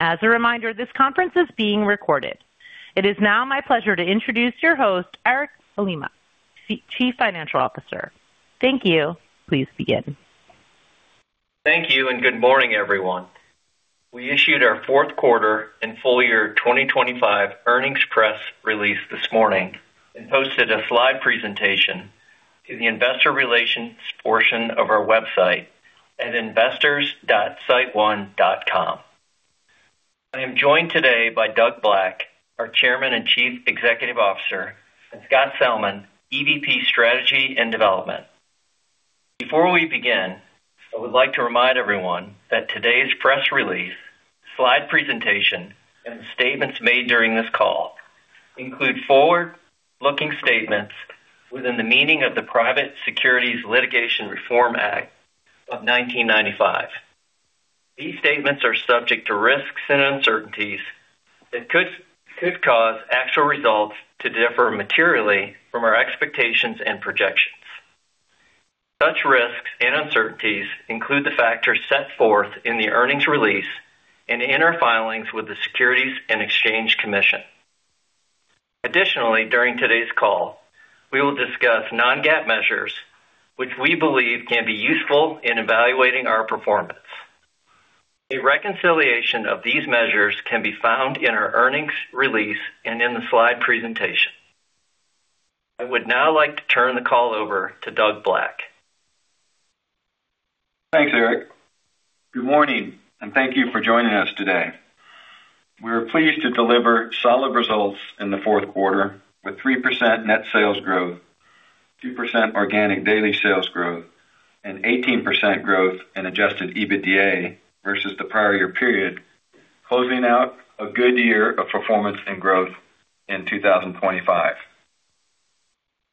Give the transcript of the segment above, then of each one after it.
As a reminder, this conference is being recorded. It is now my pleasure to introduce your host, Eric Elema, Chief Financial Officer. Thank you. Please begin. Thank you and good morning, everyone. We issued our fourth quarter and full year 2025 earnings press release this morning and posted a slide presentation to the investor relations portion of our website at investors.siteone.com. I am joined today by Doug Black, our Chairman and Chief Executive Officer, and Scott Salmon, EVP Strategy and Development. Before we begin, I would like to remind everyone that today's press release, slide presentation, and the statements made during this call include forward-looking statements within the meaning of the Private Securities Litigation Reform Act of 1995. These statements are subject to risks and uncertainties that could cause actual results to differ materially from our expectations and projections. Such risks and uncertainties include the factors set forth in the earnings release and in our filings with the Securities and Exchange Commission. Additionally, during today's call, we will discuss non-GAAP measures, which we believe can be useful in evaluating our performance. A reconciliation of these measures can be found in our earnings release and in the slide presentation. I would now like to turn the call over to Doug Black. Thanks, Eric. Good morning, and thank you for joining us today. We are pleased to deliver solid results in the fourth quarter with 3% net sales growth, 2% organic daily sales growth, and 18% growth in Adjusted EBITDA versus the prior year period, closing out a good year of performance and growth in 2025.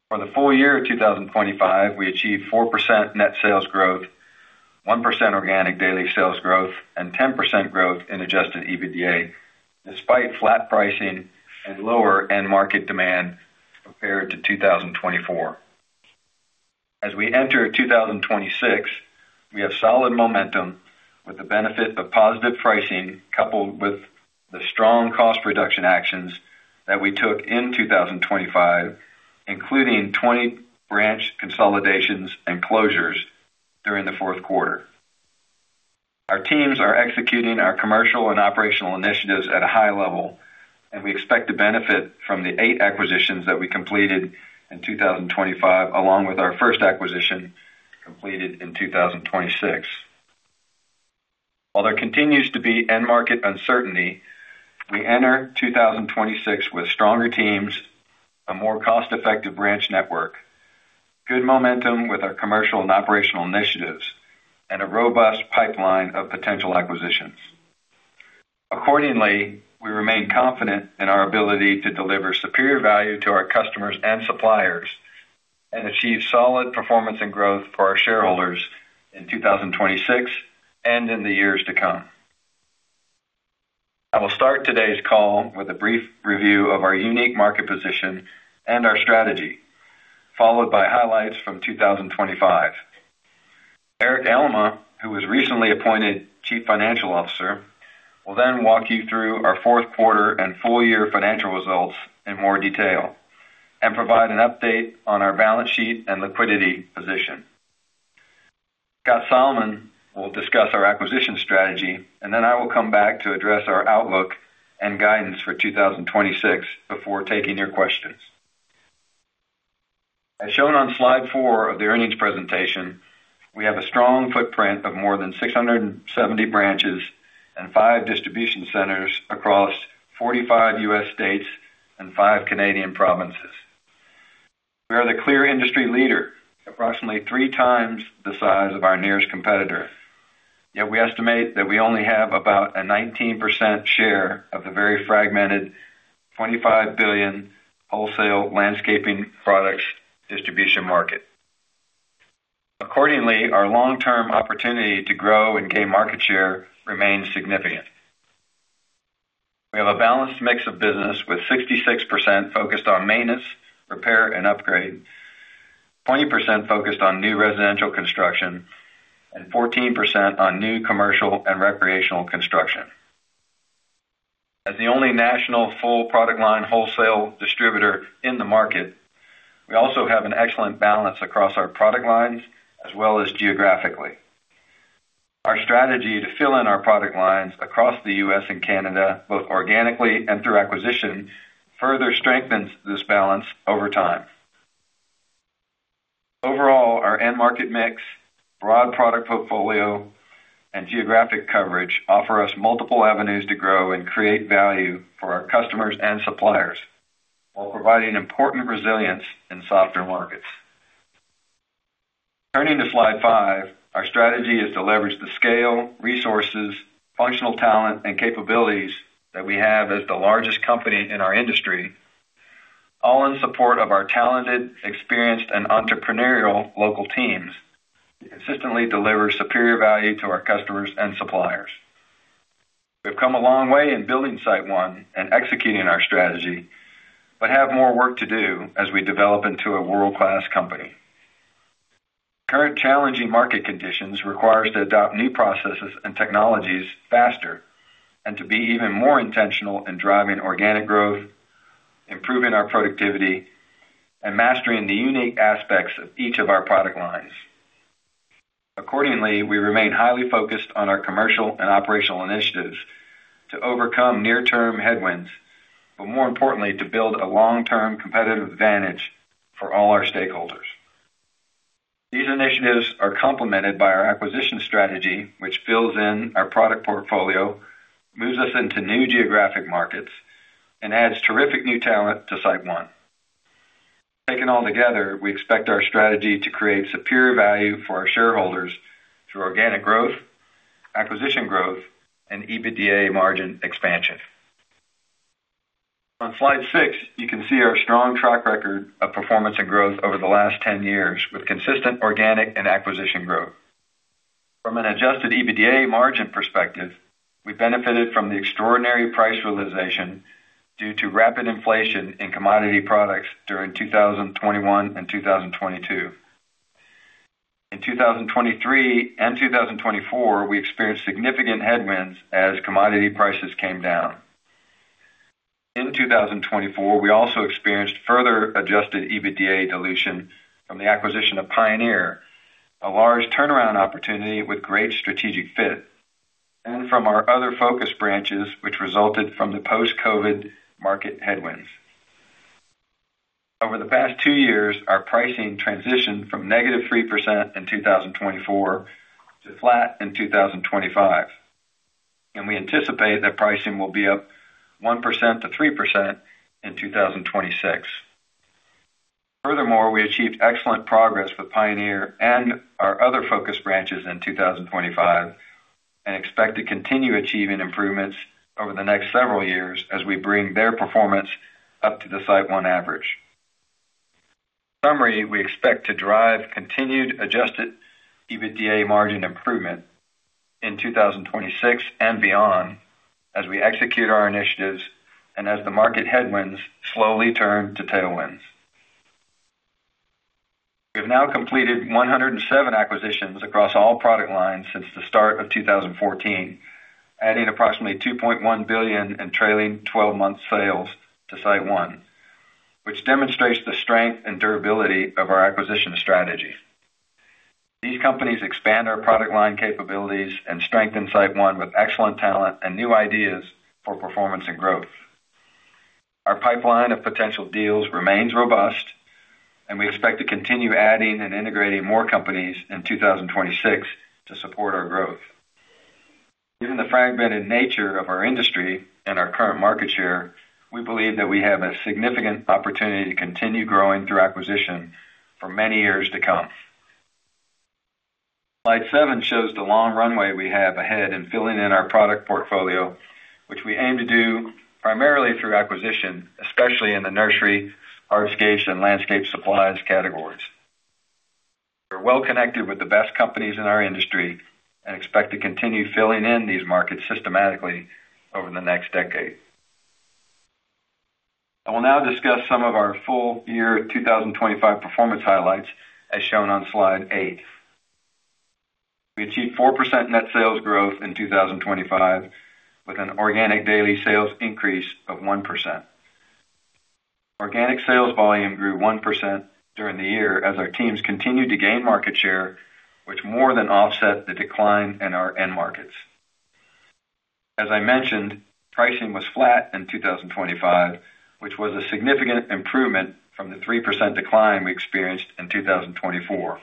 For the full year of 2025, we achieved 4% net sales growth, 1% organic daily sales growth, and 10% growth in Adjusted EBITDA despite flat pricing and lower end market demand compared to 2024. As we enter 2026, we have solid momentum with the benefit of positive pricing coupled with the strong cost reduction actions that we took in 2025, including 20 branch consolidations and closures during the fourth quarter. Our teams are executing our commercial and operational initiatives at a high level, and we expect to benefit from the eight acquisitions that we completed in 2025 along with our first acquisition completed in 2026. While there continues to be end market uncertainty, we enter 2026 with stronger teams, a more cost-effective branch network, good momentum with our commercial and operational initiatives, and a robust pipeline of potential acquisitions. Accordingly, we remain confident in our ability to deliver superior value to our customers and suppliers and achieve solid performance and growth for our shareholders in 2026 and in the years to come. I will start today's call with a brief review of our unique market position and our strategy, followed by highlights from 2025. Eric Elema, who was recently appointed Chief Financial Officer, will then walk you through our fourth quarter and full year financial results in more detail and provide an update on our balance sheet and liquidity position. Scott Salmon will discuss our acquisition strategy, and then I will come back to address our outlook and guidance for 2026 before taking your questions. As shown on slide 4 of the earnings presentation, we have a strong footprint of more than 670 branches and 5 distribution centers across 45 U.S. states and 5 Canadian provinces. We are the clear industry leader, approximately 3 times the size of our nearest competitor, yet we estimate that we only have about a 19% share of the very fragmented $25 billion wholesale landscaping products distribution market. Accordingly, our long-term opportunity to grow and gain market share remains significant. We have a balanced mix of business with 66% focused on maintenance, repair, and upgrade, 20% focused on new residential construction, and 14% on new commercial and recreational construction. As the only national full product line wholesale distributor in the market, we also have an excellent balance across our product lines as well as geographically. Our strategy to fill in our product lines across the U.S. and Canada, both organically and through acquisition, further strengthens this balance over time. Overall, our end market mix, broad product portfolio, and geographic coverage offer us multiple avenues to grow and create value for our customers and suppliers while providing important resilience in softer markets. Turning to slide 5, our strategy is to leverage the scale, resources, functional talent, and capabilities that we have as the largest company in our industry, all in support of our talented, experienced, and entrepreneurial local teams to consistently deliver superior value to our customers and suppliers. We have come a long way in building SiteOne and executing our strategy but have more work to do as we develop into a world-class company. Current challenging market conditions require us to adopt new processes and technologies faster and to be even more intentional in driving organic growth, improving our productivity, and mastering the unique aspects of each of our product lines. Accordingly, we remain highly focused on our commercial and operational initiatives to overcome near-term headwinds but, more importantly, to build a long-term competitive advantage for all our stakeholders. These initiatives are complemented by our acquisition strategy, which fills in our product portfolio, moves us into new geographic markets, and adds terrific new talent to SiteOne. Taken all together, we expect our strategy to create superior value for our shareholders through organic growth, acquisition growth, and EBITDA margin expansion. On slide 6, you can see our strong track record of performance and growth over the last 10 years with consistent organic and acquisition growth. From an Adjusted EBITDA margin perspective, we benefited from the extraordinary price realization due to rapid inflation in commodity products during 2021 and 2022. In 2023 and 2024, we experienced significant headwinds as commodity prices came down. In 2024, we also experienced further Adjusted EBITDA dilution from the acquisition of Pioneer, a large turnaround opportunity with great strategic fit, and from our other focus branches, which resulted from the post-COVID market headwinds. Over the past two years, our pricing transitioned from -3% in 2024 to flat in 2025, and we anticipate that pricing will be up 1%-3% in 2026. Furthermore, we achieved excellent progress with Pioneer and our other focus branches in 2025 and expect to continue achieving improvements over the next several years as we bring their performance up to the SiteOne average. In summary, we expect to drive continued Adjusted EBITDA margin improvement in 2026 and beyond as we execute our initiatives and as the market headwinds slowly turn to tailwinds. We have now completed 107 acquisitions across all product lines since the start of 2014, adding approximately $2.1 billion and trailing 12-month sales to SiteOne, which demonstrates the strength and durability of our acquisition strategy. These companies expand our product line capabilities and strengthen SiteOne with excellent talent and new ideas for performance and growth. Our pipeline of potential deals remains robust, and we expect to continue adding and integrating more companies in 2026 to support our growth. Given the fragmented nature of our industry and our current market share, we believe that we have a significant opportunity to continue growing through acquisition for many years to come. Slide 7 shows the long runway we have ahead in filling in our product portfolio, which we aim to do primarily through acquisition, especially in the nursery, hardscapes, and landscape supplies categories. We are well connected with the best companies in our industry and expect to continue filling in these markets systematically over the next decade. I will now discuss some of our full year 2025 performance highlights, as shown on slide 8. We achieved 4% net sales growth in 2025 with an organic daily sales increase of 1%. Organic sales volume grew 1% during the year as our teams continued to gain market share, which more than offset the decline in our end markets. As I mentioned, pricing was flat in 2025, which was a significant improvement from the 3% decline we experienced in 2024.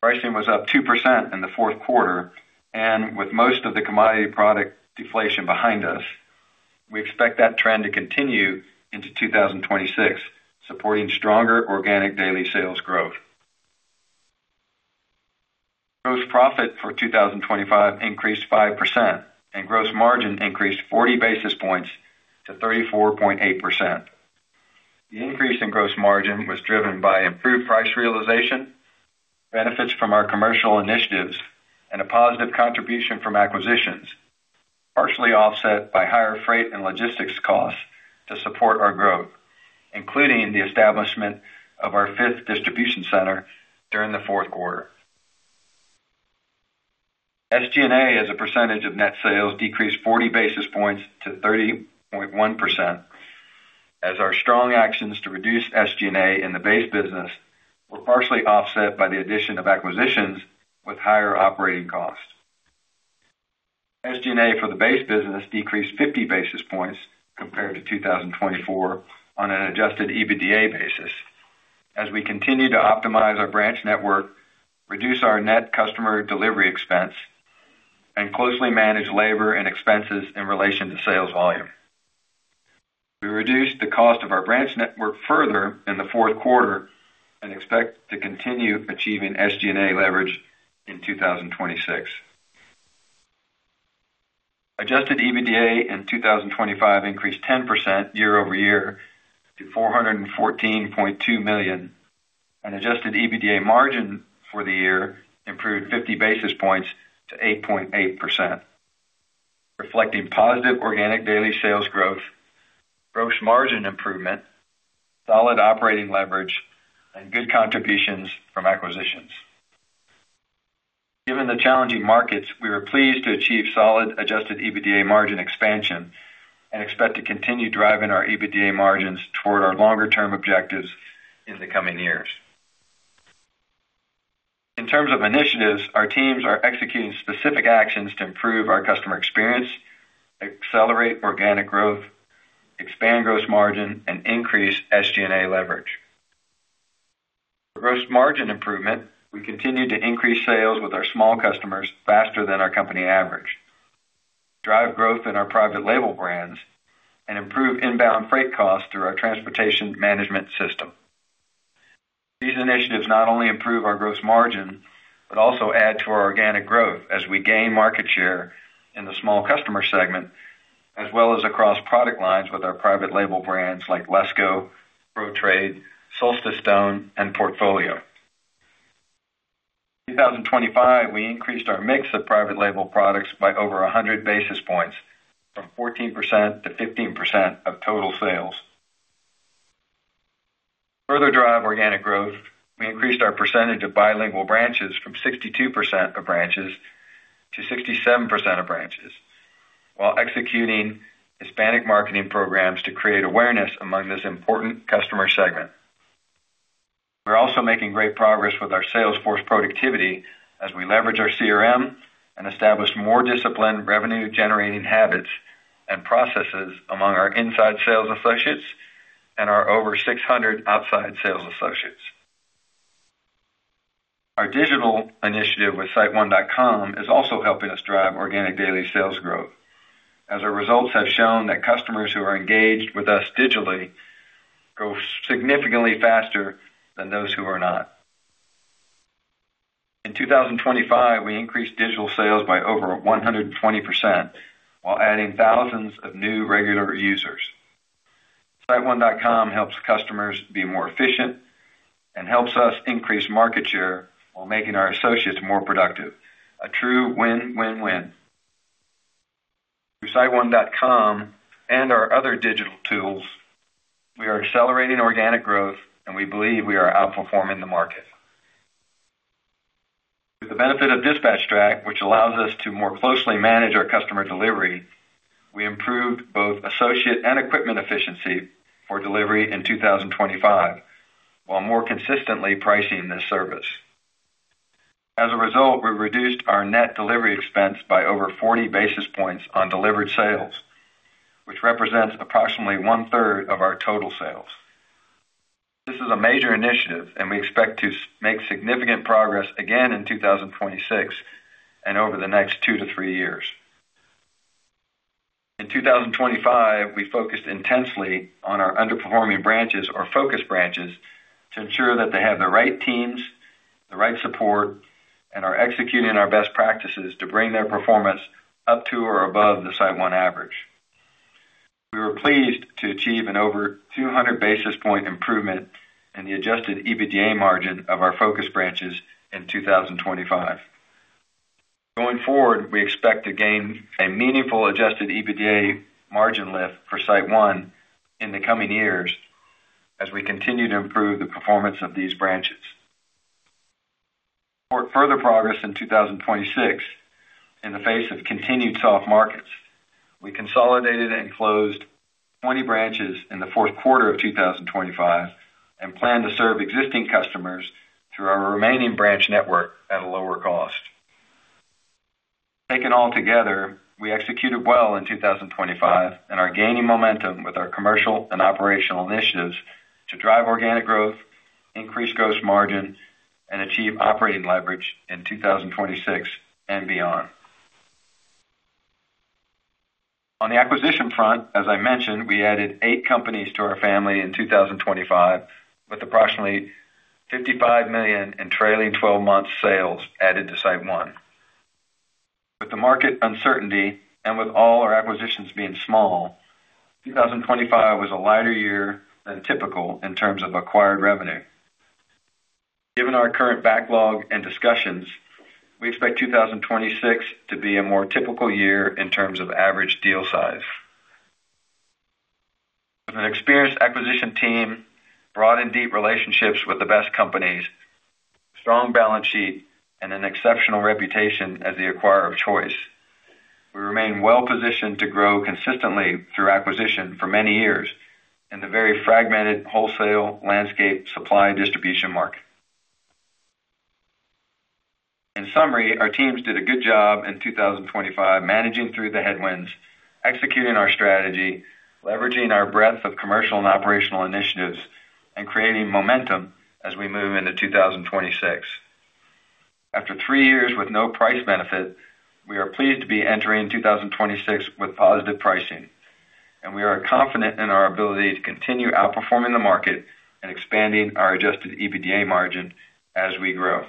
Pricing was up 2% in the fourth quarter, and with most of the commodity product deflation behind us, we expect that trend to continue into 2026, supporting stronger organic daily sales growth. Gross profit for 2025 increased 5%, and gross margin increased 40 basis points to 34.8%. The increase in gross margin was driven by improved price realization, benefits from our commercial initiatives, and a positive contribution from acquisitions, partially offset by higher freight and logistics costs to support our growth, including the establishment of our fifth distribution center during the fourth quarter. SG&A, as a percentage of net sales, decreased 40 basis points to 30.1%, as our strong actions to reduce SG&A in the base business were partially offset by the addition of acquisitions with higher operating costs. SG&A for the base business decreased 50 basis points compared to 2024 on an Adjusted EBITDA basis, as we continue to optimize our branch network, reduce our net customer delivery expense, and closely manage labor and expenses in relation to sales volume. We reduced the cost of our branch network further in the fourth quarter and expect to continue achieving SG&A leverage in 2026. Adjusted EBITDA in 2025 increased 10% year-over-year to $414.2 million, and Adjusted EBITDA margin for the year improved 50 basis points to 8.8%, reflecting positive organic daily sales growth, gross margin improvement, solid operating leverage, and good contributions from acquisitions. Given the challenging markets, we are pleased to achieve solid Adjusted EBITDA margin expansion and expect to continue driving our EBITDA margins toward our longer-term objectives in the coming years. In terms of initiatives, our teams are executing specific actions to improve our customer experience, accelerate organic growth, expand gross margin, and increase SG&A leverage. For gross margin improvement, we continue to increase sales with our small customers faster than our company average, drive growth in our private label brands, and improve inbound freight costs through our transportation management system. These initiatives not only improve our gross margin but also add to our organic growth as we gain market share in the small customer segment as well as across product lines with our private label brands like LESCO, Pro-Trade, Solstice Stone, and Portfolio. In 2025, we increased our mix of private label products by over 100 basis points from 14%-15% of total sales. To further drive organic growth, we increased our percentage of bilingual branches from 62%-67% of branches while executing Hispanic marketing programs to create awareness among this important customer segment. We are also making great progress with our Salesforce productivity as we leverage our CRM and establish more disciplined revenue-generating habits and processes among our inside sales associates and our over 600 outside sales associates. Our digital initiative with SiteOne.com is also helping us drive organic daily sales growth, as our results have shown that customers who are engaged with us digitally grow significantly faster than those who are not. In 2025, we increased digital sales by over 120% while adding thousands of new regular users. SiteOne.com helps customers be more efficient and helps us increase market share while making our associates more productive, a true win, win, win. Through SiteOne.com and our other digital tools, we are accelerating organic growth, and we believe we are outperforming the market. With the benefit of DispatchTrack, which allows us to more closely manage our customer delivery, we improved both associate and equipment efficiency for delivery in 2025 while more consistently pricing this service. As a result, we reduced our net delivery expense by over 40 basis points on delivered sales, which represents approximately one-third of our total sales. This is a major initiative, and we expect to make significant progress again in 2026 and over the next two to three years. In 2025, we focused intensely on our underperforming branches or focus branches to ensure that they have the right teams, the right support, and are executing our best practices to bring their performance up to or above the SiteOne average. We were pleased to achieve an over 200 basis points improvement in the Adjusted EBITDA margin of our focus branches in 2025. Going forward, we expect to gain a meaningful Adjusted EBITDA margin lift for SiteOne in the coming years as we continue to improve the performance of these branches. For further progress in 2026 in the face of continued soft markets, we consolidated and closed 20 branches in the fourth quarter of 2025 and plan to serve existing customers through our remaining branch network at a lower cost. Taken all together, we executed well in 2025 and are gaining momentum with our commercial and operational initiatives to drive organic growth, increase gross margin, and achieve operating leverage in 2026 and beyond. On the acquisition front, as I mentioned, we added eight companies to our family in 2025 with approximately $55 million and trailing 12 months sales added to SiteOne. With the market uncertainty and with all our acquisitions being small, 2025 was a lighter year than typical in terms of acquired revenue. Given our current backlog and discussions, we expect 2026 to be a more typical year in terms of average deal size. With an experienced acquisition team, broad and deep relationships with the best companies, strong balance sheet, and an exceptional reputation as the acquirer of choice, we remain well positioned to grow consistently through acquisition for many years in the very fragmented wholesale landscape supply distribution market. In summary, our teams did a good job in 2025 managing through the headwinds, executing our strategy, leveraging our breadth of commercial and operational initiatives, and creating momentum as we move into 2026. After three years with no price benefit, we are pleased to be entering 2026 with positive pricing, and we are confident in our ability to continue outperforming the market and expanding our Adjusted EBITDA margin as we grow.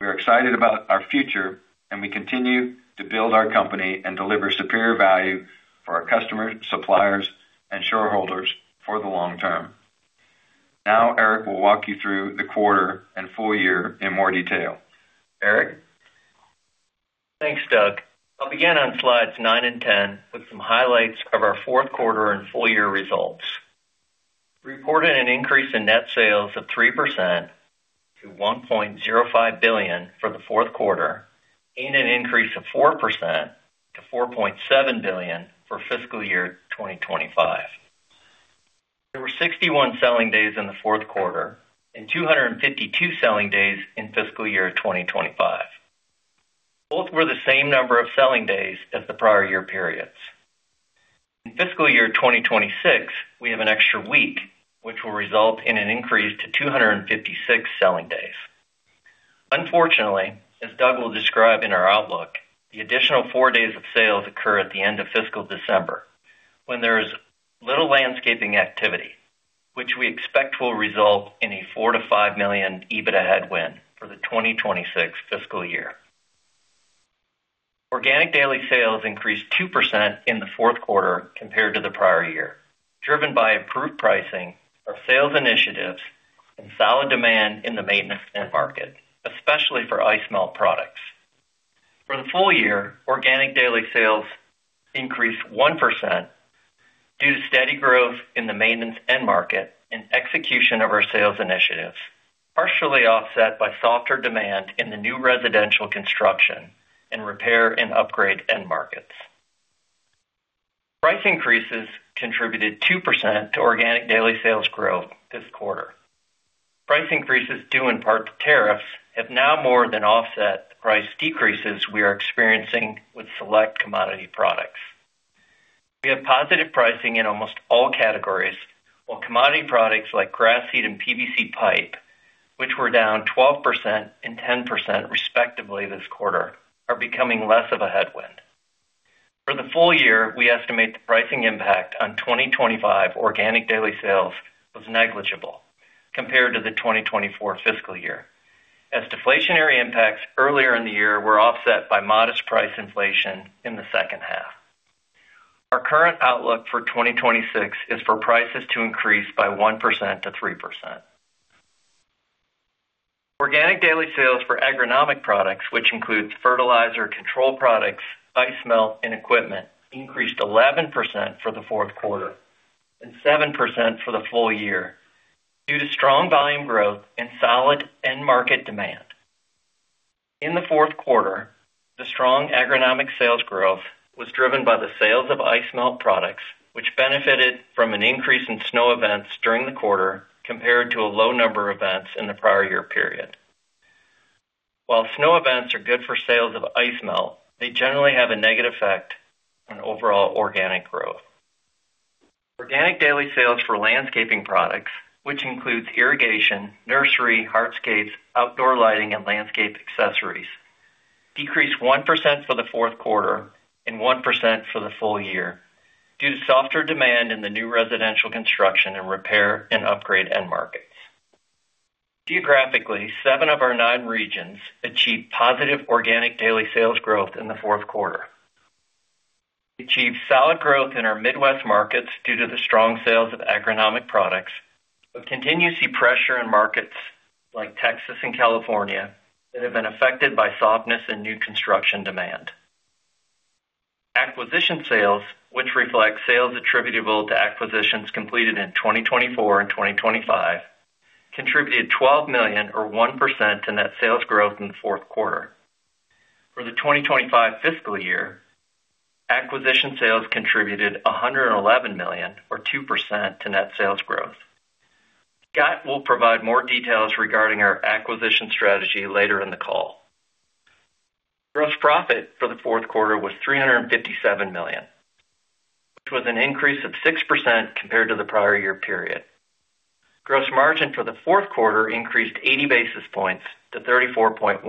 We are excited about our future, and we continue to build our company and deliver superior value for our customers, suppliers, and shareholders for the long term. Now, Eric will walk you through the quarter and full year in more detail. Eric? Thanks, Doug. I'll begin on slides 9 and 10 with some highlights of our fourth quarter and full year results. We reported an increase in net sales of 3% to $1.05 billion for the fourth quarter and an increase of 4% to $4.7 billion for fiscal year 2025. There were 61 selling days in the fourth quarter and 252 selling days in fiscal year 2025. Both were the same number of selling days as the prior year periods. In fiscal year 2026, we have an extra week, which will result in an increase to 256 selling days. Unfortunately, as Doug will describe in our outlook, the additional four days of sales occur at the end of fiscal December when there is little landscaping activity, which we expect will result in a $4-$5 million EBITDA headwind for the 2026 fiscal year. Organic daily sales increased 2% in the fourth quarter compared to the prior year, driven by improved pricing, our sales initiatives, and solid demand in the maintenance end market, especially for ice melt products. For the full year, organic daily sales increased 1% due to steady growth in the maintenance end market and execution of our sales initiatives, partially offset by softer demand in the new residential construction and repair and upgrade end markets. Price increases contributed 2% to organic daily sales growth this quarter. Price increases, due in part to tariffs, have now more than offset the price decreases we are experiencing with select commodity products. We have positive pricing in almost all categories, while commodity products like grass seed and PVC pipe, which were down 12% and 10% respectively this quarter, are becoming less of a headwind. For the full year, we estimate the pricing impact on 2025 organic daily sales was negligible compared to the 2024 fiscal year, as deflationary impacts earlier in the year were offset by modest price inflation in the second half. Our current outlook for 2026 is for prices to increase by 1%-3%. Organic daily sales for agronomic products, which includes fertilizer control products, ice melt, and equipment, increased 11% for the fourth quarter and 7% for the full year due to strong volume growth and solid end market demand. In the fourth quarter, the strong agronomic sales growth was driven by the sales of ice melt products, which benefited from an increase in snow events during the quarter compared to a low number of events in the prior year period. While snow events are good for sales of ice melt, they generally have a negative effect on overall organic growth. Organic daily sales for landscaping products, which includes irrigation, nursery, hardscapes, outdoor lighting, and landscape accessories, decreased 1% for the fourth quarter and 1% for the full year due to softer demand in the new residential construction and repair and upgrade end markets. Geographically, seven of our nine regions achieved positive organic daily sales growth in the fourth quarter. We achieved solid growth in our Midwest markets due to the strong sales of agronomic products, but continue to see pressure in markets like Texas and California that have been affected by softness and new construction demand. Acquisition sales, which reflect sales attributable to acquisitions completed in 2024 and 2025, contributed $12 million or 1% to net sales growth in the fourth quarter. For the 2025 fiscal year, acquisition sales contributed $111 million or 2% to net sales growth. Scott will provide more details regarding our acquisition strategy later in the call. Gross profit for the fourth quarter was $357 million, which was an increase of 6% compared to the prior year period. Gross margin for the fourth quarter increased 80 basis points to 34.1%.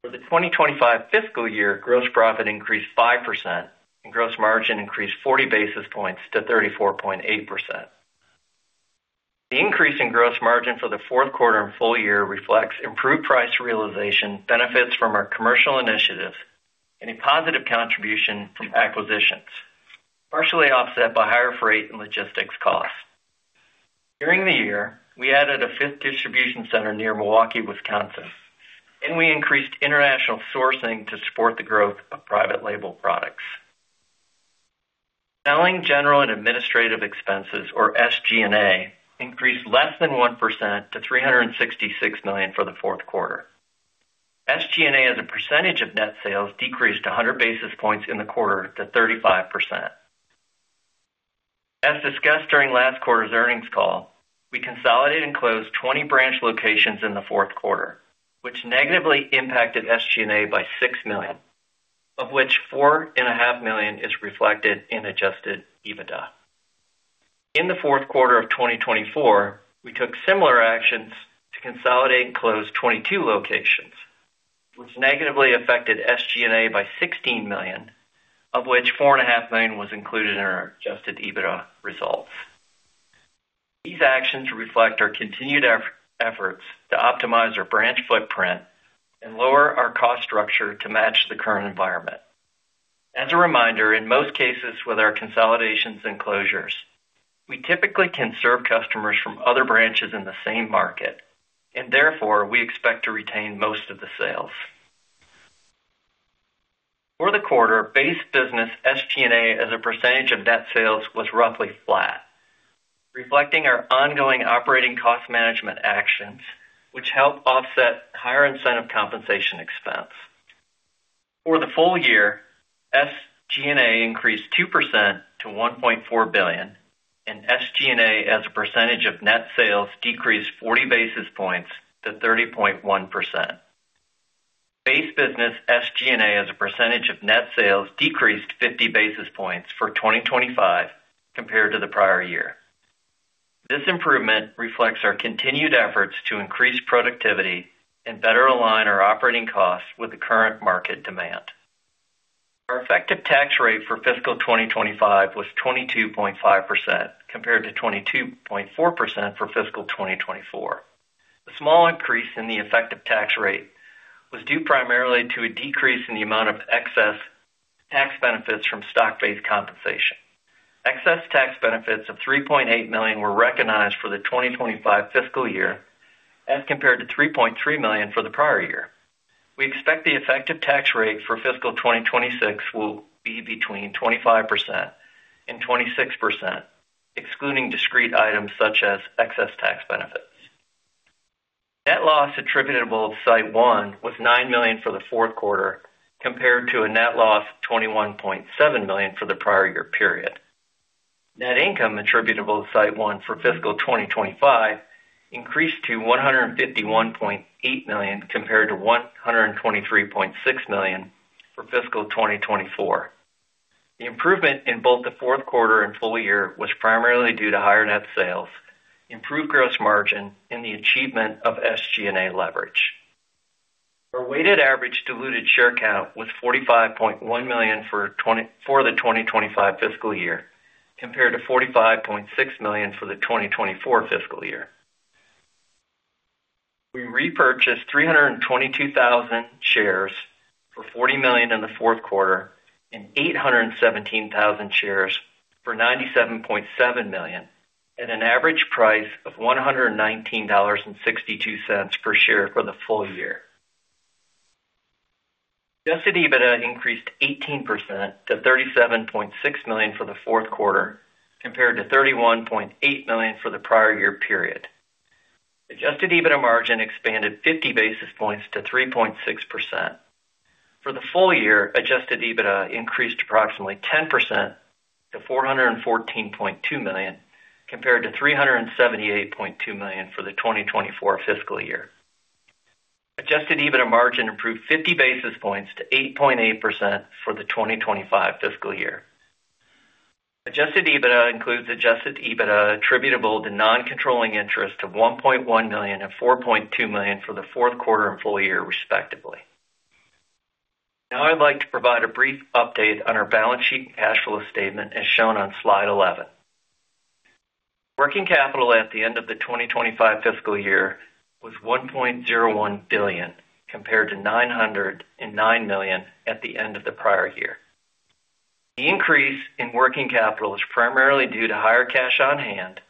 For the 2025 fiscal year, gross profit increased 5%, and gross margin increased 40 basis points to 34.8%. The increase in gross margin for the fourth quarter and full year reflects improved price realization, benefits from our commercial initiatives, and a positive contribution from acquisitions, partially offset by higher freight and logistics costs. During the year, we added a fifth distribution center near Milwaukee, Wisconsin, and we increased international sourcing to support the growth of private label products. Selling, general, and administrative expenses, or SG&A, increased less than 1% to $366 million for the fourth quarter. SG&A, as a percentage of net sales, decreased 100 basis points in the quarter to 35%. As discussed during last quarter's earnings call, we consolidated and closed 20 branch locations in the fourth quarter, which negatively impacted SG&A by $6 million, of which $4.5 million is reflected in Adjusted EBITDA. In the fourth quarter of 2024, we took similar actions to consolidate and close 22 locations, which negatively affected SG&A by $16 million, of which $4.5 million was included in our Adjusted EBITDA results. These actions reflect our continued efforts to optimize our branch footprint and lower our cost structure to match the current environment. As a reminder, in most cases with our consolidations and closures, we typically can serve customers from other branches in the same market, and therefore, we expect to retain most of the sales. For the quarter, base business SG&A, as a percentage of net sales, was roughly flat, reflecting our ongoing operating cost management actions, which help offset higher incentive compensation expense. For the full year, SG&A increased 2% to $1.4 billion, and SG&A, as a percentage of net sales, decreased 40 basis points to 30.1%. Base business SG&A, as a percentage of net sales, decreased 50 basis points for 2025 compared to the prior year. This improvement reflects our continued efforts to increase productivity and better align our operating costs with the current market demand. Our effective tax rate for fiscal 2025 was 22.5% compared to 22.4% for fiscal 2024. The small increase in the effective tax rate was due primarily to a decrease in the amount of excess tax benefits from stock-based compensation. Excess tax benefits of $3.8 million were recognized for the 2025 fiscal year as compared to $3.3 million for the prior year. We expect the effective tax rate for fiscal 2026 will be between 25% and 26%, excluding discrete items such as excess tax benefits. Net loss attributable to SiteOne was $9 million for the fourth quarter compared to a net loss of $21.7 million for the prior year period. Net income attributable to SiteOne for fiscal 2025 increased to $151.8 million compared to $123.6 million for fiscal 2024. The improvement in both the fourth quarter and full year was primarily due to higher net sales, improved gross margin, and the achievement of SG&A leverage. Our weighted average diluted share count was 45.1 million for the 2025 fiscal year compared to 45.6 million for the 2024 fiscal year. We repurchased 322,000 shares for $40 million in the fourth quarter and 817,000 shares for $97.7 million at an average price of $119.62 per share for the full year. Adjusted EBITDA increased 18% to $37.6 million for the fourth quarter compared to $31.8 million for the prior year period. Adjusted EBITDA margin expanded 50 basis points to 3.6%. For the full year, Adjusted EBITDA increased approximately 10% to $414.2 million compared to $378.2 million for the 2024 fiscal year. Adjusted EBITDA margin improved 50 basis points to 8.8% for the 2025 fiscal year. Adjusted EBITDA includes Adjusted EBITDA attributable to non-controlling interest to $1.1 million and $4.2 million for the fourth quarter and full year, respectively. Now, I'd like to provide a brief update on our balance sheet and cash flow statement as shown on slide 11. Working capital at the end of the 2025 fiscal year was $1.01 billion compared to $909 million at the end of the prior year. The increase in working capital is primarily due to higher cash on hand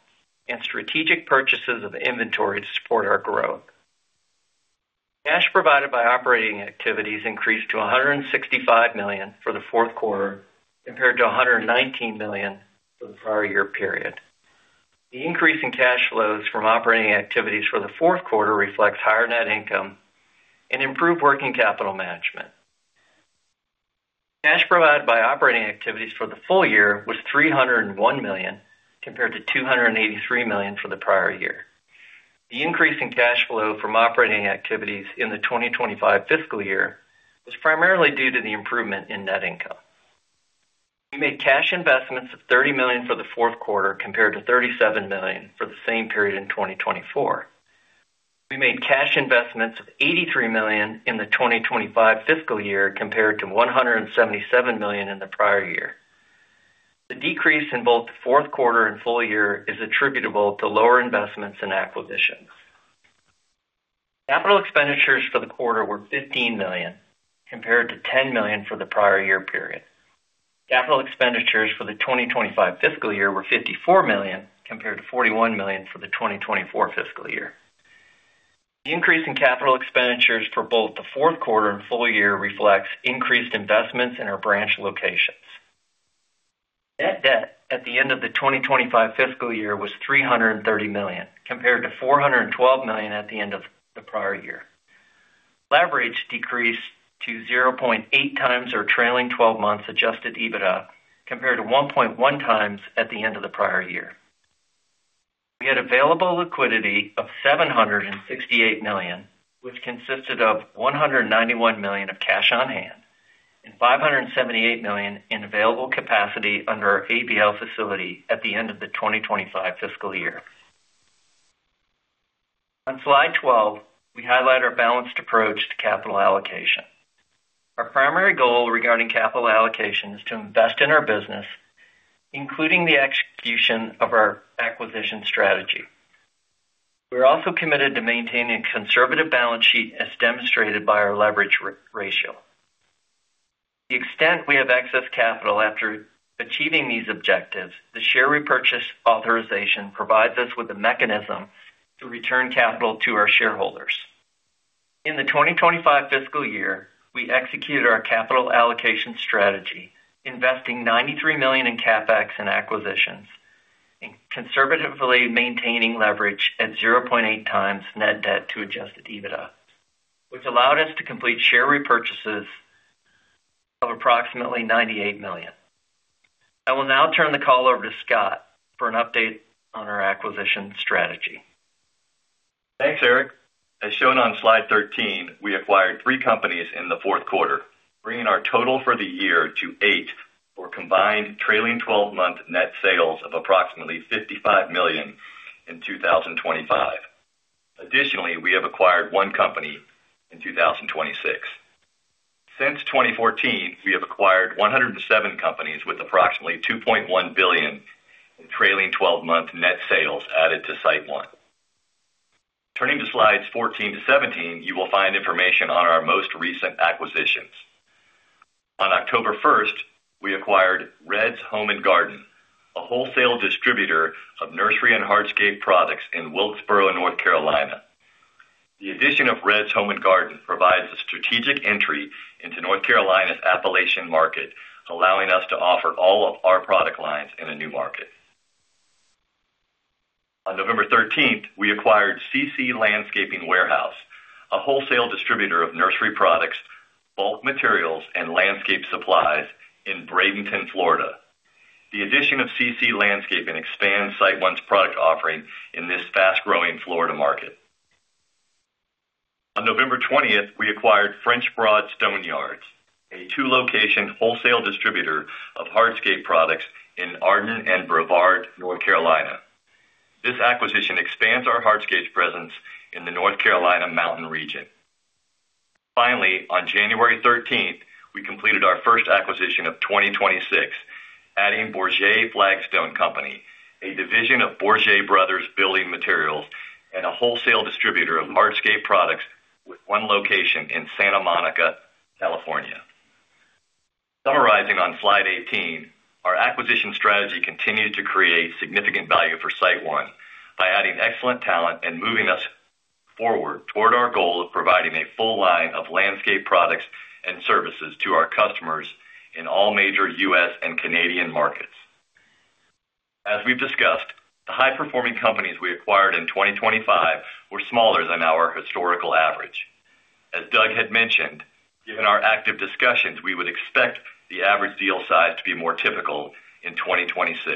and strategic purchases of inventory to support our growth. Cash provided by operating activities increased to $165 million for the fourth quarter compared to $119 million for the prior year period. The increase in cash flows from operating activities for the fourth quarter reflects higher net income and improved working capital management. Cash provided by operating activities for the full year was $301 million compared to $283 million for the prior year. The increase in cash flow from operating activities in the 2025 fiscal year was primarily due to the improvement in net income. We made cash investments of $30 million for the fourth quarter compared to $37 million for the same period in 2024. We made cash investments of $83 million in the 2025 fiscal year compared to $177 million in the prior year. The decrease in both the fourth quarter and full year is attributable to lower investments and acquisitions. Capital expenditures for the quarter were $15 million compared to $10 million for the prior year period. Capital expenditures for the 2025 fiscal year were $54 million compared to $41 million for the 2024 fiscal year. The increase in capital expenditures for both the fourth quarter and full year reflects increased investments in our branch locations. Net debt at the end of the 2025 fiscal year was $330 million compared to $412 million at the end of the prior year. Leverage decreased to 0.8x our trailing 12 months' Adjusted EBITDA compared to 1.1 times at the end of the prior year. We had available liquidity of $768 million, which consisted of $191 million of cash on hand and $578 million in available capacity under our ABL facility at the end of the 2025 fiscal year. On slide 12, we highlight our balanced approach to capital allocation. Our primary goal regarding capital allocation is to invest in our business, including the execution of our acquisition strategy. We are also committed to maintaining a conservative balance sheet as demonstrated by our leverage ratio. To the extent we have excess capital after achieving these objectives, the share repurchase authorization provides us with a mechanism to return capital to our shareholders. In the 2025 fiscal year, we executed our capital allocation strategy, investing $93 million in CapEx and acquisitions, and conservatively maintaining leverage at 0.8x net debt to Adjusted EBITDA, which allowed us to complete share repurchases of approximately $98 million. I will now turn the call over to Scott for an update on our acquisition strategy. Thanks, Eric. As shown on slide 13, we acquired three companies in the fourth quarter, bringing our total for the year to eight for combined trailing 12-month net sales of approximately $55 million in 2025. Additionally, we have acquired one company in 2026. Since 2014, we have acquired 107 companies with approximately $2.1 billion in trailing 12-month net sales added to SiteOne. Turning to slides 14-17, you will find information on our most recent acquisitions. On October 1, we acquired Red's Home & Garden, a wholesale distributor of nursery and hardscape products in Wilkesboro, North Carolina. The addition of Red's Home & Garden provides a strategic entry into North Carolina's Appalachian market, allowing us to offer all of our product lines in a new market. On November 13, we acquired C&C Landscaping Warehouse, a wholesale distributor of nursery products, bulk materials, and landscape supplies in Bradenton, Florida. The addition of CC Landscaping expands SiteOne's product offering in this fast-growing Florida market. On November 20, we acquired French Broad Stone Yards, a two-location wholesale distributor of hardscape products in Arden and Brevard, North Carolina. This acquisition expands our hardscape presence in the North Carolina mountain region. Finally, on January 13, we completed our first acquisition of 2026, adding Bourget Flagstone Co., a division of Bourget Bros. Building Materials, and a wholesale distributor of hardscape products with one location in Santa Monica, California. Summarizing on slide 18, our acquisition strategy continues to create significant value for SiteOne by adding excellent talent and moving us forward toward our goal of providing a full line of landscape products and services to our customers in all major U.S. and Canadian markets. As we've discussed, the high-performing companies we acquired in 2025 were smaller than our historical average. As Doug had mentioned, given our active discussions, we would expect the average deal size to be more typical in 2026.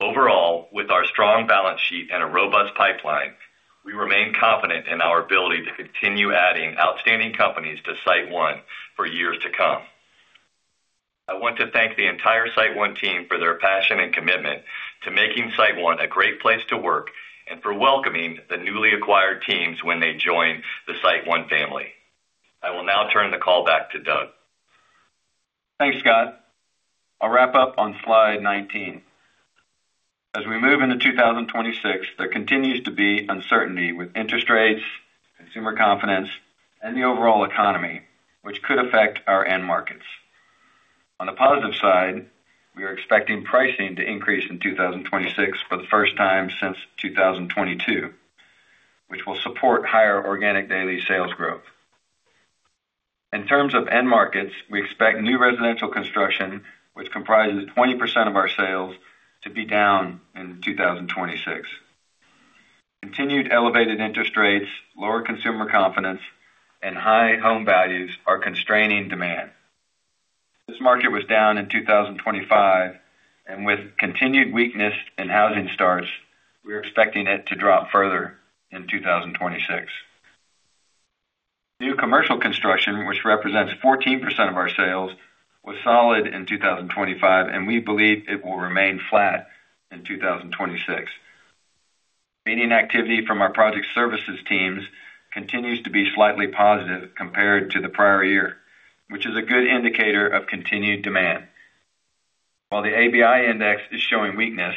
Overall, with our strong balance sheet and a robust pipeline, we remain confident in our ability to continue adding outstanding companies to SiteOne for years to come. I want to thank the entire SiteOne team for their passion and commitment to making SiteOne a great place to work and for welcoming the newly acquired teams when they join the SiteOne family. I will now turn the call back to Doug. Thanks, Scott. I'll wrap up on slide 19. As we move into 2026, there continues to be uncertainty with interest rates, consumer confidence, and the overall economy, which could affect our end markets. On the positive side, we are expecting pricing to increase in 2026 for the first time since 2022, which will support higher organic daily sales growth. In terms of end markets, we expect new residential construction, which comprises 20% of our sales, to be down in 2026. Continued elevated interest rates, lower consumer confidence, and high home values are constraining demand. This market was down in 2025, and with continued weakness in housing starts, we are expecting it to drop further in 2026. New commercial construction, which represents 14% of our sales, was solid in 2025, and we believe it will remain flat in 2026. Meeting activity from our project services teams continues to be slightly positive compared to the prior year, which is a good indicator of continued demand. While the ABI index is showing weakness,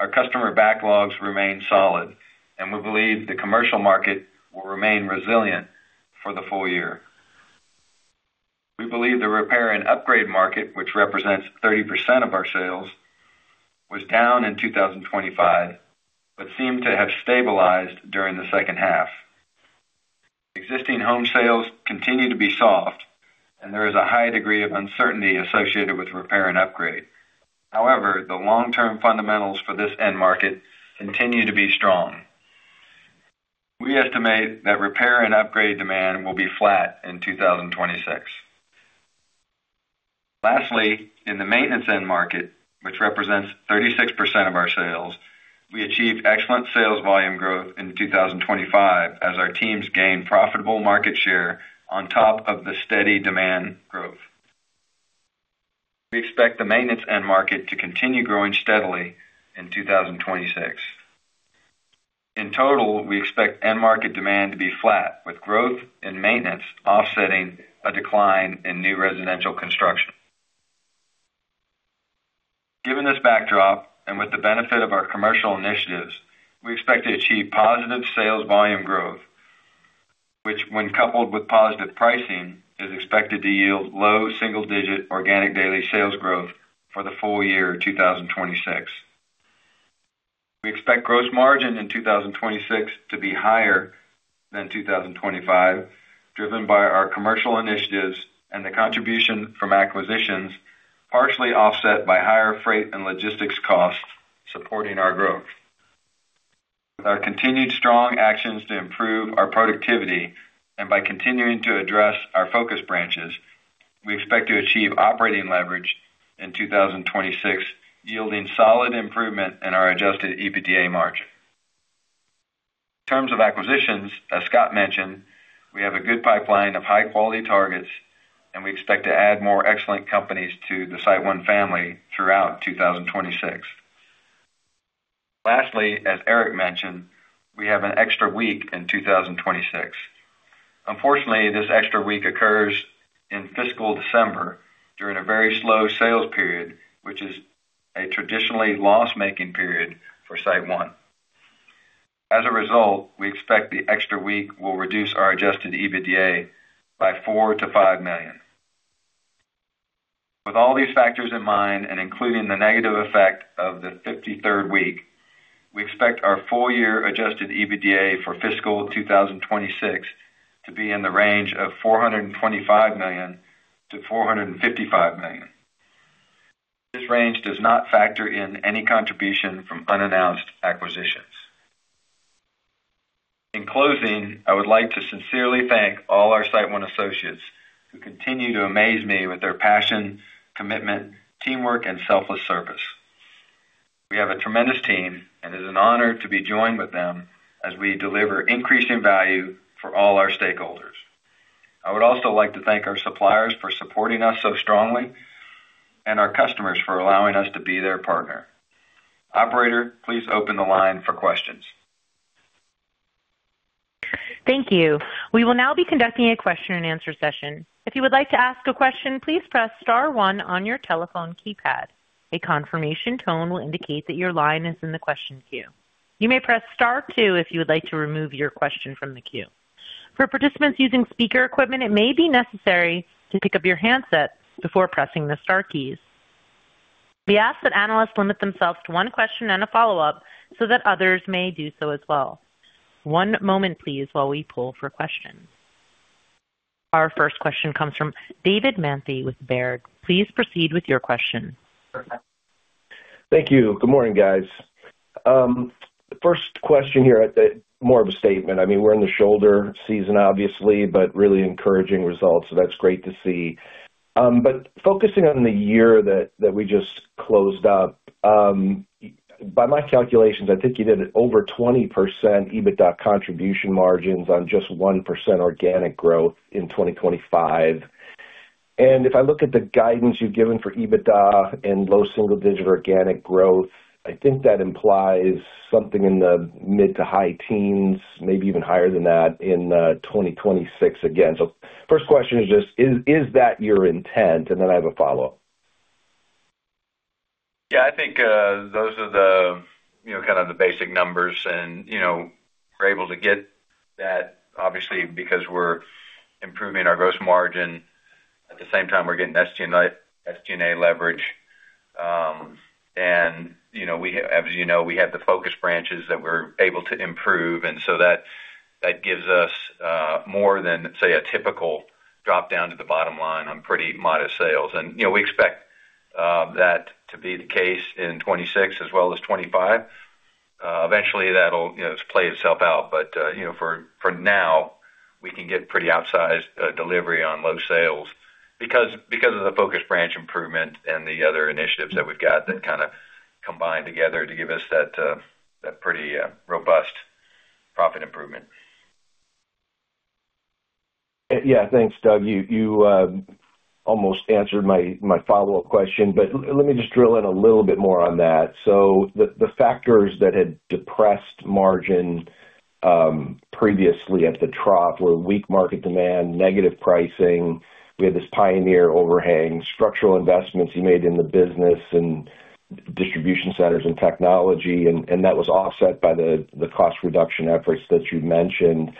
our customer backlogs remain solid, and we believe the commercial market will remain resilient for the full year. We believe the repair and upgrade market, which represents 30% of our sales, was down in 2025 but seemed to have stabilized during the second half. Existing home sales continue to be soft, and there is a high degree of uncertainty associated with repair and upgrade. However, the long-term fundamentals for this end market continue to be strong. We estimate that repair and upgrade demand will be flat in 2026. Lastly, in the maintenance end market, which represents 36% of our sales, we achieved excellent sales volume growth in 2025 as our teams gained profitable market share on top of the steady demand growth. We expect the maintenance end market to continue growing steadily in 2026. In total, we expect end market demand to be flat, with growth in maintenance offsetting a decline in new residential construction. Given this backdrop and with the benefit of our commercial initiatives, we expect to achieve positive sales volume growth, which, when coupled with positive pricing, is expected to yield low single-digit organic daily sales growth for the full year 2026. We expect gross margin in 2026 to be higher than 2025, driven by our commercial initiatives and the contribution from acquisitions, partially offset by higher freight and logistics costs supporting our growth. With our continued strong actions to improve our productivity and by continuing to address our focus branches, we expect to achieve operating leverage in 2026, yielding solid improvement in our Adjusted EBITDA margin. In terms of acquisitions, as Scott mentioned, we have a good pipeline of high-quality targets, and we expect to add more excellent companies to the SiteOne family throughout 2026. Lastly, as Eric mentioned, we have an extra week in 2026. Unfortunately, this extra week occurs in fiscal December during a very slow sales period, which is a traditionally loss-making period for SiteOne. As a result, we expect the extra week will reduce our Adjusted EBITDA by $4-$5 million. With all these factors in mind and including the negative effect of the 53rd week, we expect our full-year Adjusted EBITDA for fiscal 2026 to be in the range of $425 million-$455 million. This range does not factor in any contribution from unannounced acquisitions. In closing, I would like to sincerely thank all our SiteOne associates who continue to amaze me with their passion, commitment, teamwork, and selfless service. We have a tremendous team, and it is an honor to be joined with them as we deliver increasing value for all our stakeholders. I would also like to thank our suppliers for supporting us so strongly and our customers for allowing us to be their partner. Operator, please open the line for questions. Thank you. We will now be conducting a question-and-answer session. If you would like to ask a question, please press star one on your telephone keypad. A confirmation tone will indicate that your line is in the question queue. You may press star two if you would like to remove your question from the queue. For participants using speaker equipment, it may be necessary to pick up your handset before pressing the star keys. We ask that analysts limit themselves to one question and a follow-up so that others may do so as well. One moment, please, while we pull for questions. Our first question comes from David Manthey with Baird. Please proceed with your question. Thank you. Good morning, guys. The first question here is more of a statement. I mean, we're in the shoulder season, obviously, but really encouraging results, so that's great to see. But focusing on the year that we just closed up, by my calculations, I think you did over 20% EBITDA contribution margins on just 1% organic growth in 2025. And if I look at the guidance you've given for EBITDA and low single-digit organic growth, I think that implies something in the mid to high teens, maybe even higher than that, in 2026 again. So first question is just, is that your intent? And then I have a follow-up. Yeah, I think those are kind of the basic numbers. We're able to get that, obviously, because we're improving our gross margin. At the same time, we're getting SG&A leverage. As you know, we have the focus branches that we're able to improve, and so that gives us more than, say, a typical drop-down to the bottom line on pretty modest sales. We expect that to be the case in 2026 as well as 2025. Eventually, that'll play itself out. But for now, we can get pretty outsized delivery on low sales because of the focus branch improvement and the other initiatives that we've got that kind of combine together to give us that pretty robust profit improvement. Yeah, thanks, Doug. You almost answered my follow-up question, but let me just drill in a little bit more on that. So the factors that had depressed margin previously at the trough were weak market demand, negative pricing. We had this Pioneer overhang, structural investments you made in the business and distribution centers and technology, and that was offset by the cost reduction efforts that you mentioned.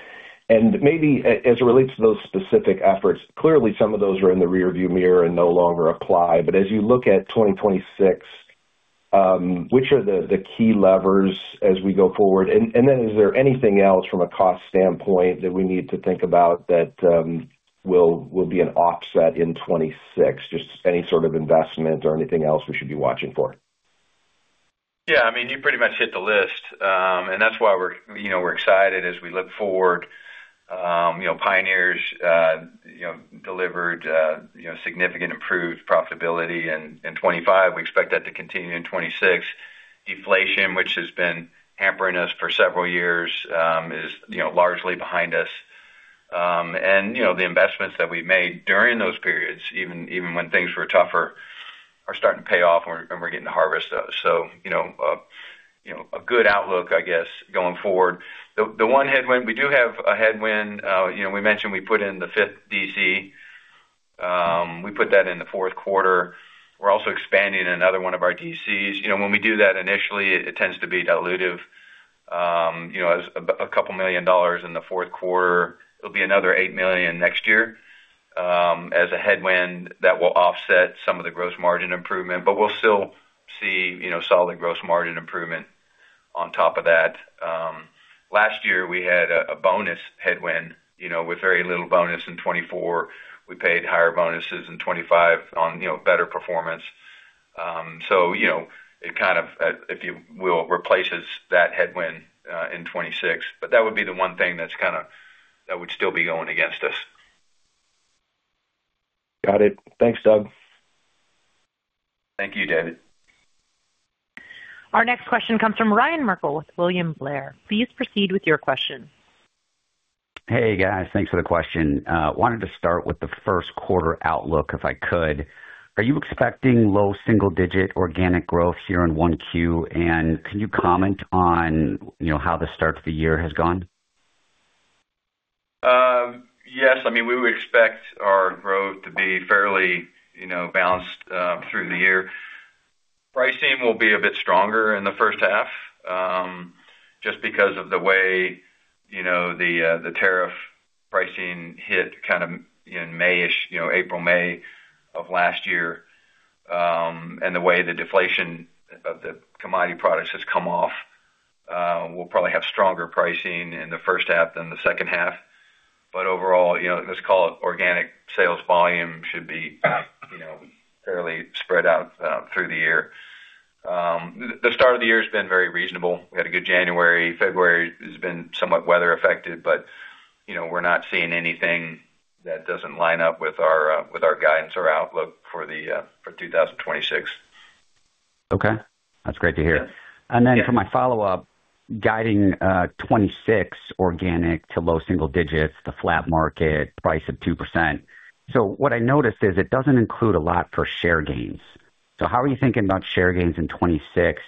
And maybe as it relates to those specific efforts, clearly, some of those are in the rearview mirror and no longer apply. But as you look at 2026, which are the key levers as we go forward? And then is there anything else from a cost standpoint that we need to think about that will be an offset in 2026, just any sort of investment or anything else we should be watching for? Yeah, I mean, you pretty much hit the list. And that's why we're excited as we look forward. Pioneer delivered significant improved profitability in 2025. We expect that to continue in 2026. Deflation, which has been hampering us for several years, is largely behind us. And the investments that we've made during those periods, even when things were tougher, are starting to pay off, and we're getting to harvest those. So a good outlook, I guess, going forward. The one headwind, we do have a headwind. We mentioned we put in the fifth DC. We put that in the fourth quarter. We're also expanding another one of our DCs. When we do that initially, it tends to be dilutive. $2 million in the fourth quarter, it'll be another $8 million next year as a headwind that will offset some of the gross margin improvement, but we'll still see solid gross margin improvement on top of that. Last year, we had a bonus headwind with very little bonus in 2024. We paid higher bonuses in 2025 on better performance. So it kind of, if you will, replaces that headwind in 2026. But that would be the one thing that's kind of that would still be going against us. Got it. Thanks, Doug. Thank you, David. Our next question comes from Ryan Merkel with William Blair. Please proceed with your question. Hey, guys. Thanks for the question. Wanted to start with the first quarter outlook, if I could. Are you expecting low single-digit organic growth here in Q1, and can you comment on how the start of the year has gone? Yes. I mean, we would expect our growth to be fairly balanced through the year. Pricing will be a bit stronger in the first half just because of the way the tariff pricing hit kind of in May-ish, April, May of last year, and the way the deflation of the commodity products has come off. We'll probably have stronger pricing in the first half than the second half. But overall, let's call it organic sales volume should be fairly spread out through the year. The start of the year has been very reasonable. We had a good January. February has been somewhat weather-affected, but we're not seeing anything that doesn't line up with our guidance or outlook for 2026. Okay. That's great to hear. And then for my follow-up, guiding 2026 organic to low single digits, the flat market, price of 2%. So what I noticed is it doesn't include a lot for share gains. So how are you thinking about share gains in 2026?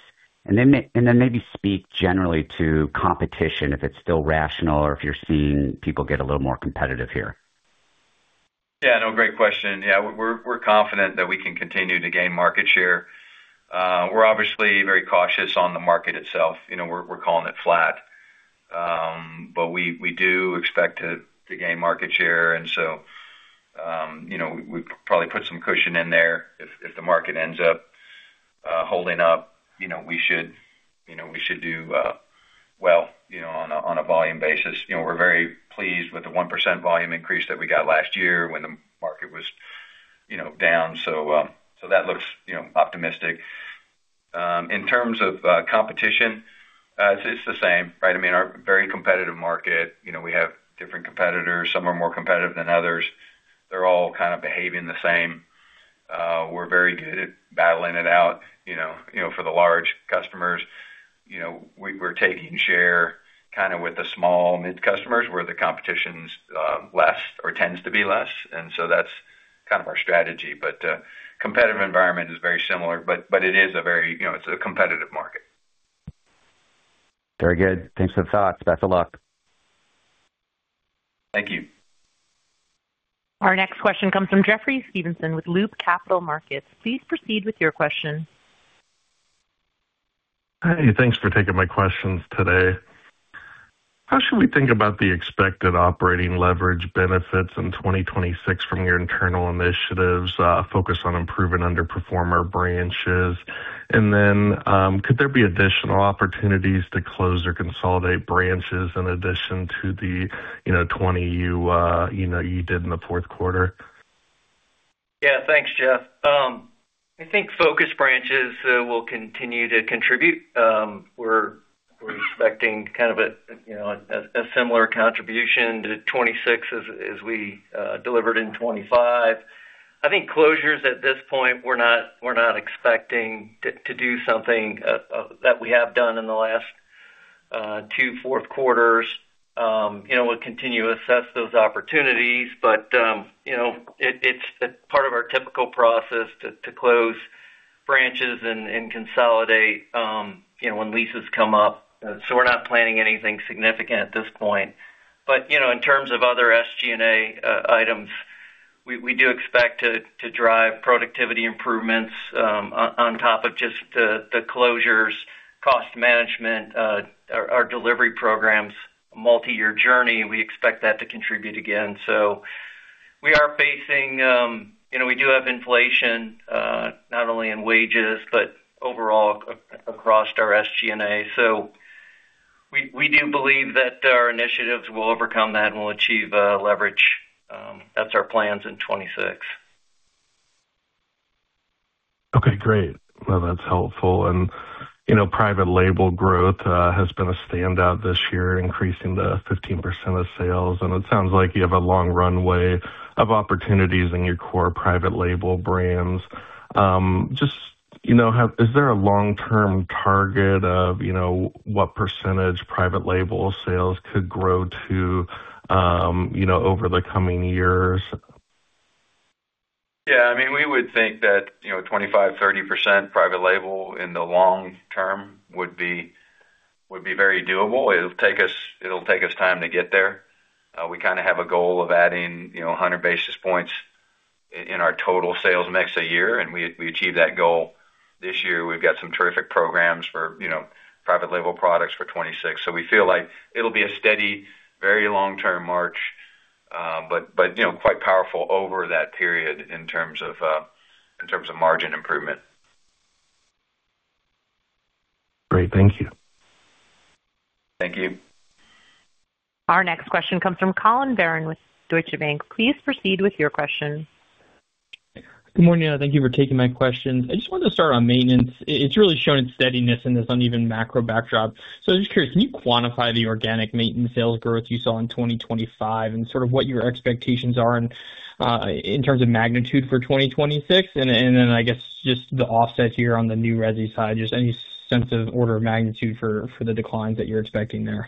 And then maybe speak generally to competition if it's still rational or if you're seeing people get a little more competitive here. Yeah, no, great question. Yeah, we're confident that we can continue to gain market share. We're obviously very cautious on the market itself. We're calling it flat. But we do expect to gain market share, and so we'd probably put some cushion in there. If the market ends up holding up, we should do well on a volume basis. We're very pleased with the 1% volume increase that we got last year when the market was down. So that looks optimistic. In terms of competition, it's the same, right? I mean, very competitive market. We have different competitors. Some are more competitive than others. They're all kind of behaving the same. We're very good at battling it out for the large customers. We're taking share kind of with the small mid-customers where the competition's less or tends to be less. And so that's kind of our strategy. But competitive environment is very similar, but it is a very competitive market. Very good. Thanks for the thoughts. Best of luck. Thank you. Our next question comes from Jeffrey Stevenson with Loop Capital Markets. Please proceed with your question. Hey, thanks for taking my questions today. How should we think about the expected operating leverage benefits in 2026 from your internal initiatives focused on improving underperformer branches? And then could there be additional opportunities to close or consolidate branches in addition to the 20 you did in the fourth quarter? Yeah, thanks, Jeff. I think focus branches will continue to contribute. We're expecting kind of a similar contribution to 2026 as we delivered in 2025. I think closures at this point, we're not expecting to do something that we have done in the last two fourth quarters. We'll continue to assess those opportunities, but it's part of our typical process to close branches and consolidate when leases come up. So we're not planning anything significant at this point. But in terms of other SG&A items, we do expect to drive productivity improvements on top of just the closures, cost management, our delivery programs, multi-year journey. We expect that to contribute again. So we are facing we do have inflation not only in wages but overall across our SG&A. So we do believe that our initiatives will overcome that and will achieve leverage. That's our plans in 2026. Okay, great. Well, that's helpful. Private label growth has been a standout this year, increasing the 15% of sales. It sounds like you have a long runway of opportunities in your core private label brands. Just is there a long-term target of what percentage private label sales could grow to over the coming years? Yeah, I mean, we would think that 25%-30% private label in the long term would be very doable. It'll take us time to get there. We kind of have a goal of adding 100 basis points in our total sales mix a year, and we achieved that goal this year. We've got some terrific programs for private label products for 2026. So we feel like it'll be a steady, very long-term march, but quite powerful over that period in terms of margin improvement. Great. Thank you. Thank you. Our next question comes from Collin Verron with Deutsche Bank. Please proceed with your question. Good morning. Thank you for taking my questions. I just wanted to start on maintenance. It's really shown its steadiness in this uneven macro backdrop. So I was just curious, can you quantify the organic maintenance sales growth you saw in 2025 and sort of what your expectations are in terms of magnitude for 2026? And then, I guess, just the offset here on the new resi side, just any sense of order of magnitude for the declines that you're expecting there?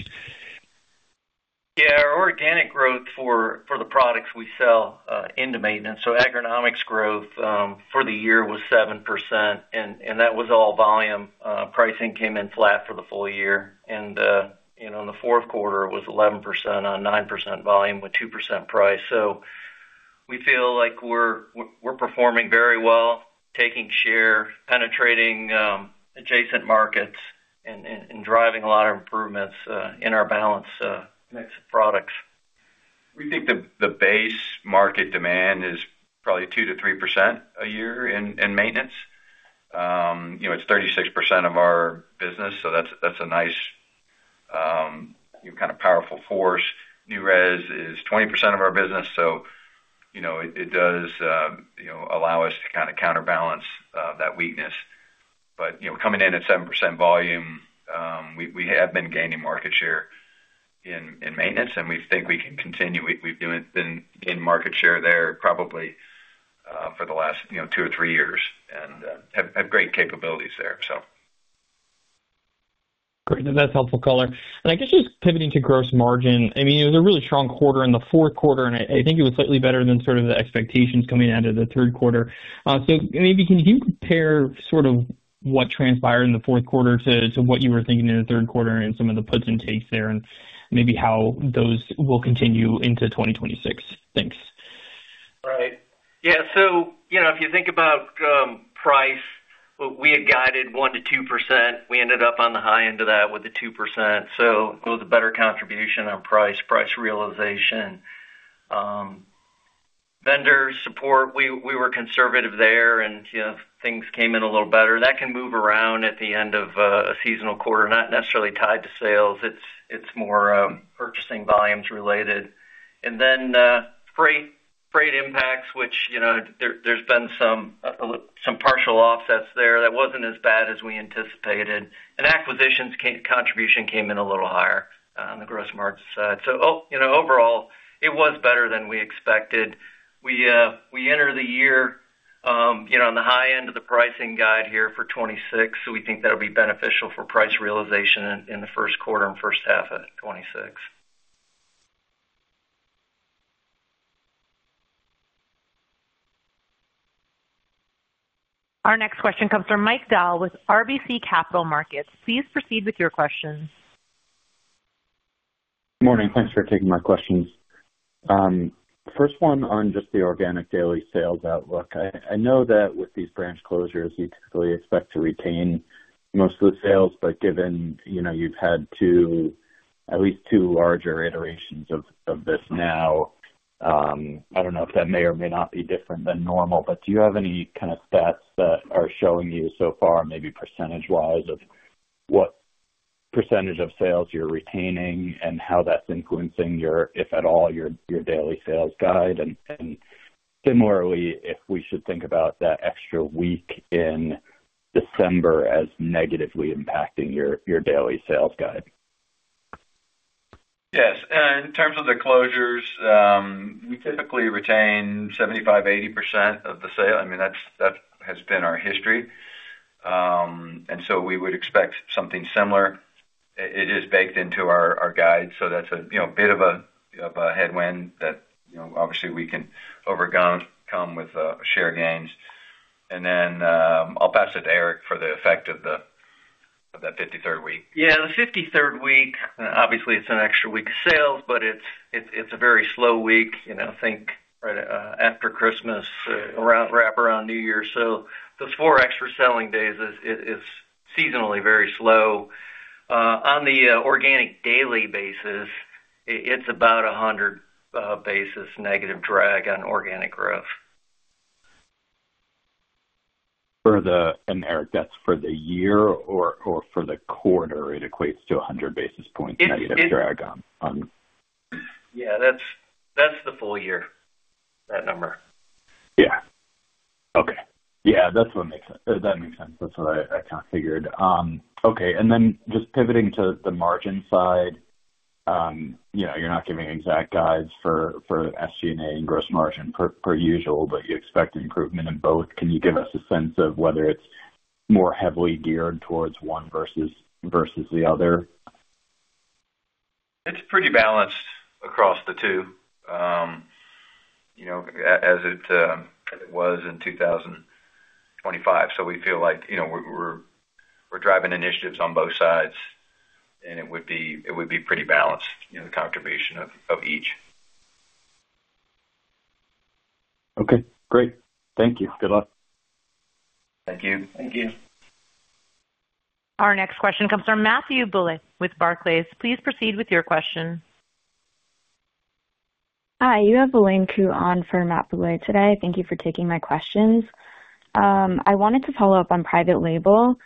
Yeah, our organic growth for the products we sell into maintenance, so Agronomics growth for the year was 7%, and that was all volume. Pricing came in flat for the full year. And in the fourth quarter, it was 11% on 9% volume with 2% price. So we feel like we're performing very well, taking share, penetrating adjacent markets, and driving a lot of improvements in our balanced mix of products. We think the base market demand is probably 2%-3% a year in maintenance. It's 36% of our business, so that's a nice kind of powerful force. New res is 20% of our business, so it does allow us to kind of counterbalance that weakness. But coming in at 7% volume, we have been gaining market share in maintenance, and we think we can continue. We've been gaining market share there probably for the last two or three years and have great capabilities there, so. Great. No, that's helpful, Collin. I guess just pivoting to gross margin, I mean, it was a really strong quarter in the fourth quarter, and I think it was slightly better than sort of the expectations coming out of the third quarter. Maybe can you compare sort of what transpired in the fourth quarter to what you were thinking in the third quarter and some of the puts and takes there and maybe how those will continue into 2026? Thanks. Right. Yeah, so if you think about price, we had guided 1%-2%. We ended up on the high end of that with the 2%. So it was a better contribution on price, price realization, vendor support. We were conservative there, and things came in a little better. That can move around at the end of a seasonal quarter, not necessarily tied to sales. It's more purchasing volumes related. And then freight impacts, which there's been some partial offsets there. That wasn't as bad as we anticipated. And acquisitions contribution came in a little higher on the gross margin side. So overall, it was better than we expected. We enter the year on the high end of the pricing guide here for 2026, so we think that'll be beneficial for price realization in the first quarter and first half of 2026. Our next question comes from Mike Dahl with RBC Capital Markets. Please proceed with your question. Good morning. Thanks for taking my questions. First one on just the organic daily sales outlook. I know that with these branch closures, you typically expect to retain most of the sales, but given you've had at least two larger iterations of this now, I don't know if that may or may not be different than normal. But do you have any kind of stats that are showing you so far, maybe percentage-wise, of what percentage of sales you're retaining and how that's influencing, if at all, your daily sales guide? Similarly, if we should think about that extra week in December as negatively impacting your daily sales guide. Yes. In terms of the closures, we typically retain 75%-80% of the sale. I mean, that has been our history. And so we would expect something similar. It is baked into our guide, so that's a bit of a headwind that obviously we can overcome with share gains. And then I'll pass it to Eric for the effect of that 53rd week. Yeah, the 53rd week, obviously, it's an extra week of sales, but it's a very slow week. I think after Christmas, wrap around New Year. So those 4 extra selling days is seasonally very slow. On the organic daily basis, it's about 100 basis negative drag on organic growth. Eric, that's for the year or for the quarter? It equates to 100 basis points negative drag on. Yeah, that's the full year, that number. Yeah. Okay. Yeah, that's what makes sense. That's what I kind of figured. Okay. And then just pivoting to the margin side, you're not giving exact guides for SG&A and gross margin per usual, but you expect improvement in both. Can you give us a sense of whether it's more heavily geared towards one versus the other? It's pretty balanced across the two as it was in 2025. So we feel like we're driving initiatives on both sides, and it would be pretty balanced, the contribution of each. Okay. Great. Thank you. Good luck. Thank you. Thank you. Our next question comes from Matthew Bouley with Barclays. Please proceed with your question. Hi. You have Elaine Ku on for Matthew Bouley today. Thank you for taking my questions. I wanted to follow up on private label.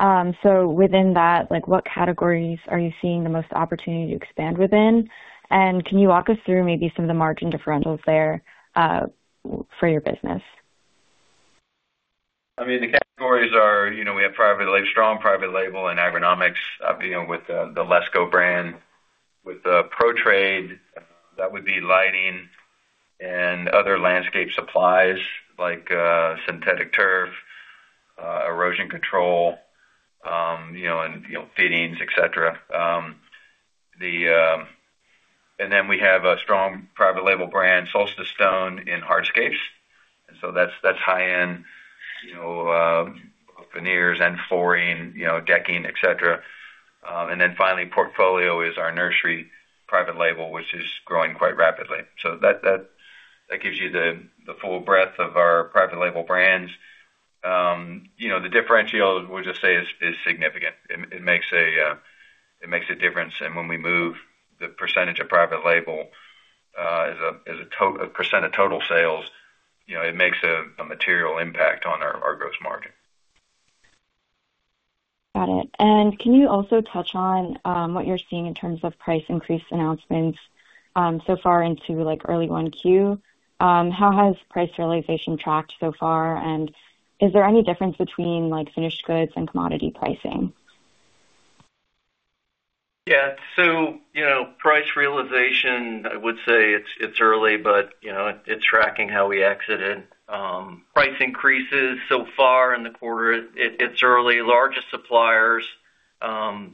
So within that, what categories are you seeing the most opportunity to expand within? And can you walk us through maybe some of the margin differentials there for your business? I mean, the categories are we have strong private label and Agronomics with the LESCO brand. With Pro-Trade, that would be lighting and other landscape supplies like synthetic turf, erosion control, and feedings, etc. And then we have a strong private label brand, Solstice Stone, in hardscapes. And so that's high-end veneers and flooring, decking, etc. And then finally, Portfolio is our nursery private label, which is growing quite rapidly. So that gives you the full breadth of our private label brands. The differential, we'll just say, is significant. It makes a difference. And when we move the percentage of private label as a percent of total sales, it makes a material impact on our gross margin. Got it. Can you also touch on what you're seeing in terms of price increase announcements so far into early 1Q? How has price realization tracked so far? Is there any difference between finished goods and commodity pricing? Yeah. So price realization, I would say it's early, but it's tracking how we exited. Price increases so far in the quarter, it's early. Largest suppliers, I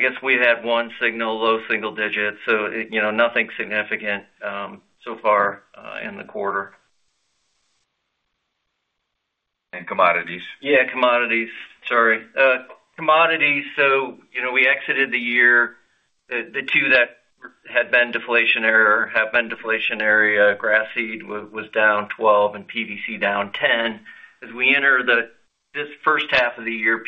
guess we had one signal, low single-digit, so nothing significant so far in the quarter. And commodities? Yeah, commodities. Sorry. Commodities, so we exited the year. The two that had been deflationary or have been deflationary, grass seed was down 12% and PVC down 10%. As we enter this first half of the year,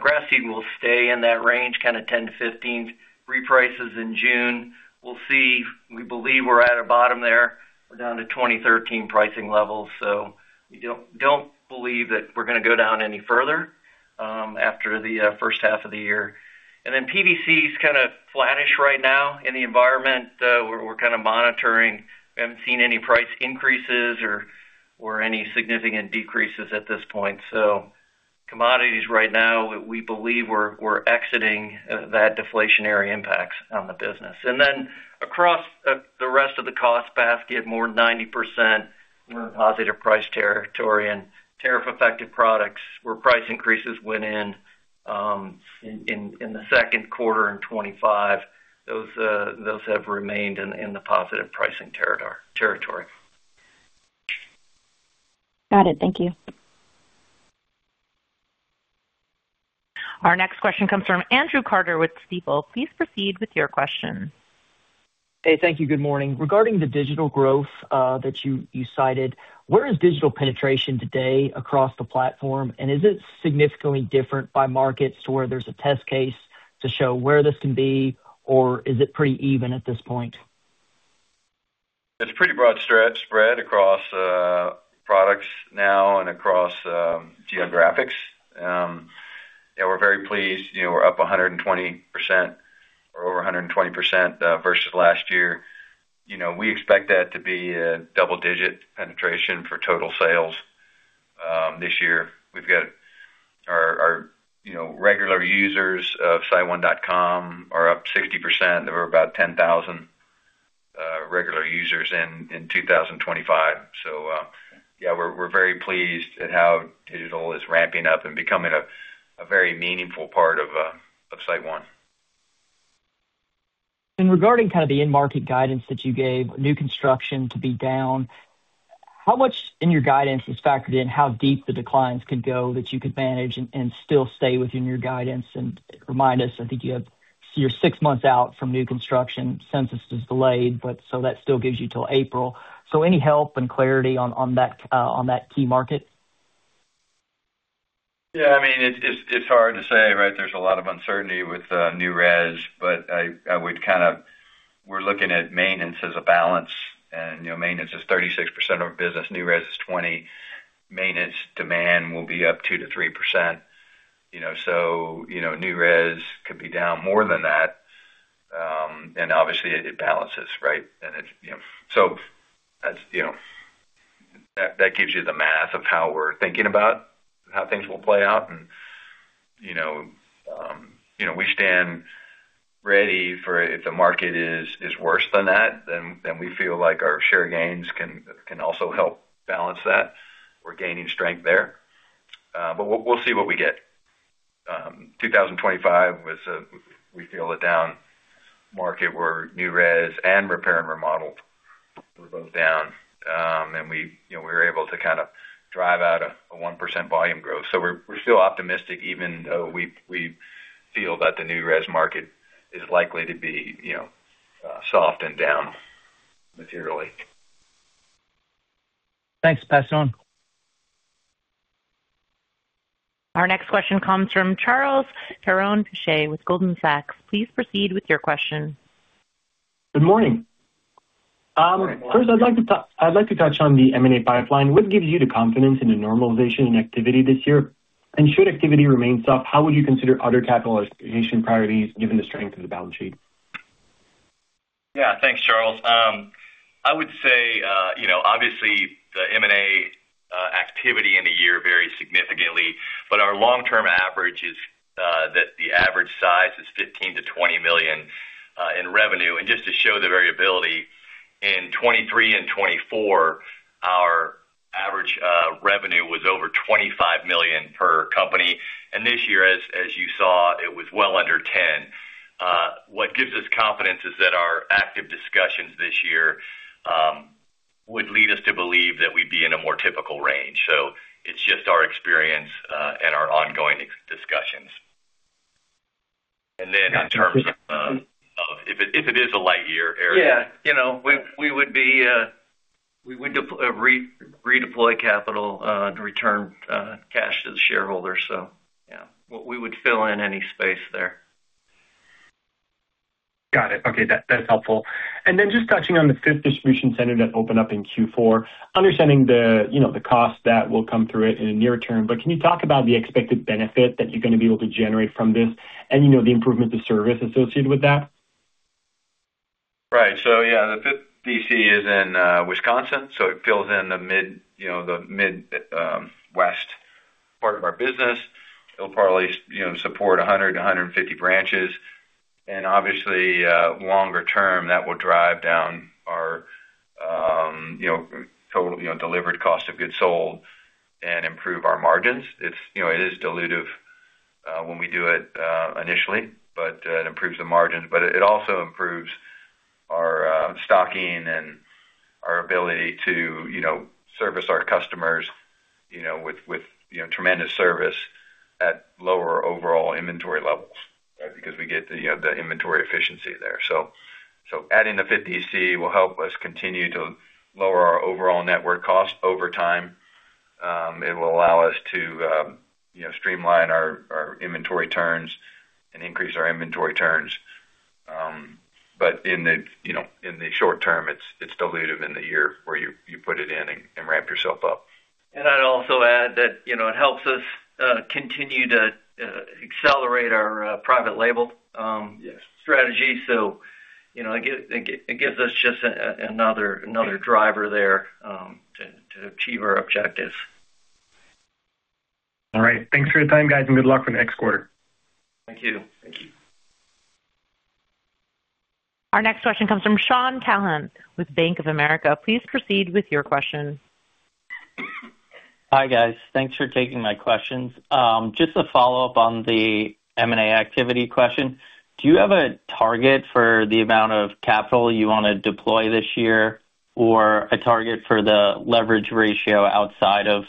grass seed will stay in that range, kind of 10%-15%. Reprices in June, we'll see. We believe we're at a bottom there. We're down to 2013 pricing levels. So we don't believe that we're going to go down any further after the first half of the year. And then PVC is kind of flatish right now in the environment. We're kind of monitoring. We haven't seen any price increases or any significant decreases at this point. So commodities right now, we believe we're exiting that deflationary impacts on the business. Then across the rest of the cost basket, more than 90%, we're in positive price territory and tariff-affected products where price increases went in in the second quarter and 2025, those have remained in the positive pricing territory. Got it. Thank you. Our next question comes from Andrew Carter with Stifel. Please proceed with your question. Hey, thank you. Good morning. Regarding the digital growth that you cited, where is digital penetration today across the platform? Is it significantly different by markets to where there's a test case to show where this can be, or is it pretty even at this point? It's pretty broad spread across products now and across geographics. We're very pleased. We're up 120% or over 120% versus last year. We expect that to be a double-digit penetration for total sales this year. We've got our regular users of SiteOne.com are up 60%. There were about 10,000 regular users in 2025. So yeah, we're very pleased at how digital is ramping up and becoming a very meaningful part of SiteOne. Regarding kind of the in-market guidance that you gave, new construction to be down, how much in your guidance is factored in how deep the declines could go that you could manage and still stay within your guidance and remind us? I think you're six months out from new construction. Census is delayed, but so that still gives you till April. Any help and clarity on that key market? Yeah. I mean, it's hard to say, right? There's a lot of uncertainty with new res, but I would kind of we're looking at maintenance as a balance. And maintenance is 36% of our business. New res is 20. Maintenance demand will be up 2%-3%. So new res could be down more than that. And obviously, it balances, right? And so that gives you the math of how we're thinking about how things will play out. And we stand ready for if the market is worse than that, then we feel like our share gains can also help balance that. We're gaining strength there. But we'll see what we get. 2025 was a, we feel, a down market where new res and repair and remodel were both down. And we were able to kind of drive out a 1% volume growth. We're still optimistic, even though we feel that the new res market is likely to be soft and down materially. Thanks, Pascal. Our next question comes from Charles Perron-Piché with Goldman Sachs. Please proceed with your question. Good morning. First, I'd like to touch on the M&A pipeline. What gives you the confidence in the normalization and activity this year? And should activity remain soft, how would you consider other capitalization priorities given the strength of the balance sheet? Yeah. Thanks, Charles. I would say, obviously, the M&A activity in the year varies significantly, but our long-term average is that the average size is $15 million-$20 million in revenue. And just to show the variability, in 2023 and 2024, our average revenue was over $25 million per company. And this year, as you saw, it was well under $10 million. What gives us confidence is that our active discussions this year would lead us to believe that we'd be in a more typical range. So it's just our experience and our ongoing discussions. And then in terms of if it is a light year, Eric. Yeah. We would redeploy capital to return cash to the shareholders. So yeah, we would fill in any space there. Got it. Okay. That's helpful. And then just touching on the fifth distribution center that opened up in Q4, understanding the cost that will come through it in the near term, but can you talk about the expected benefit that you're going to be able to generate from this and the improvement of service associated with that? Right. So yeah, the fifth DC is in Wisconsin. So it fills in the Midwest part of our business. It'll probably support 100-150 branches. And obviously, longer term, that will drive down our total delivered cost of goods sold and improve our margins. It is dilutive when we do it initially, but it improves the margins. But it also improves our stocking and our ability to service our customers with tremendous service at lower overall inventory levels, right, because we get the inventory efficiency there. So adding the fifth DC will help us continue to lower our overall network cost over time. It will allow us to streamline our inventory turns and increase our inventory turns. But in the short term, it's dilutive in the year where you put it in and ramp yourself up. I'd also add that it helps us continue to accelerate our private label strategy. It gives us just another driver there to achieve our objectives. All right. Thanks for your time, guys, and good luck for the next quarter. Thank you. Thank you. Our next question comes from Shaun Calnan with Bank of America. Please proceed with your question. Hi, guys. Thanks for taking my questions. Just a follow-up on the M&A activity question. Do you have a target for the amount of capital you want to deploy this year or a target for the leverage ratio outside of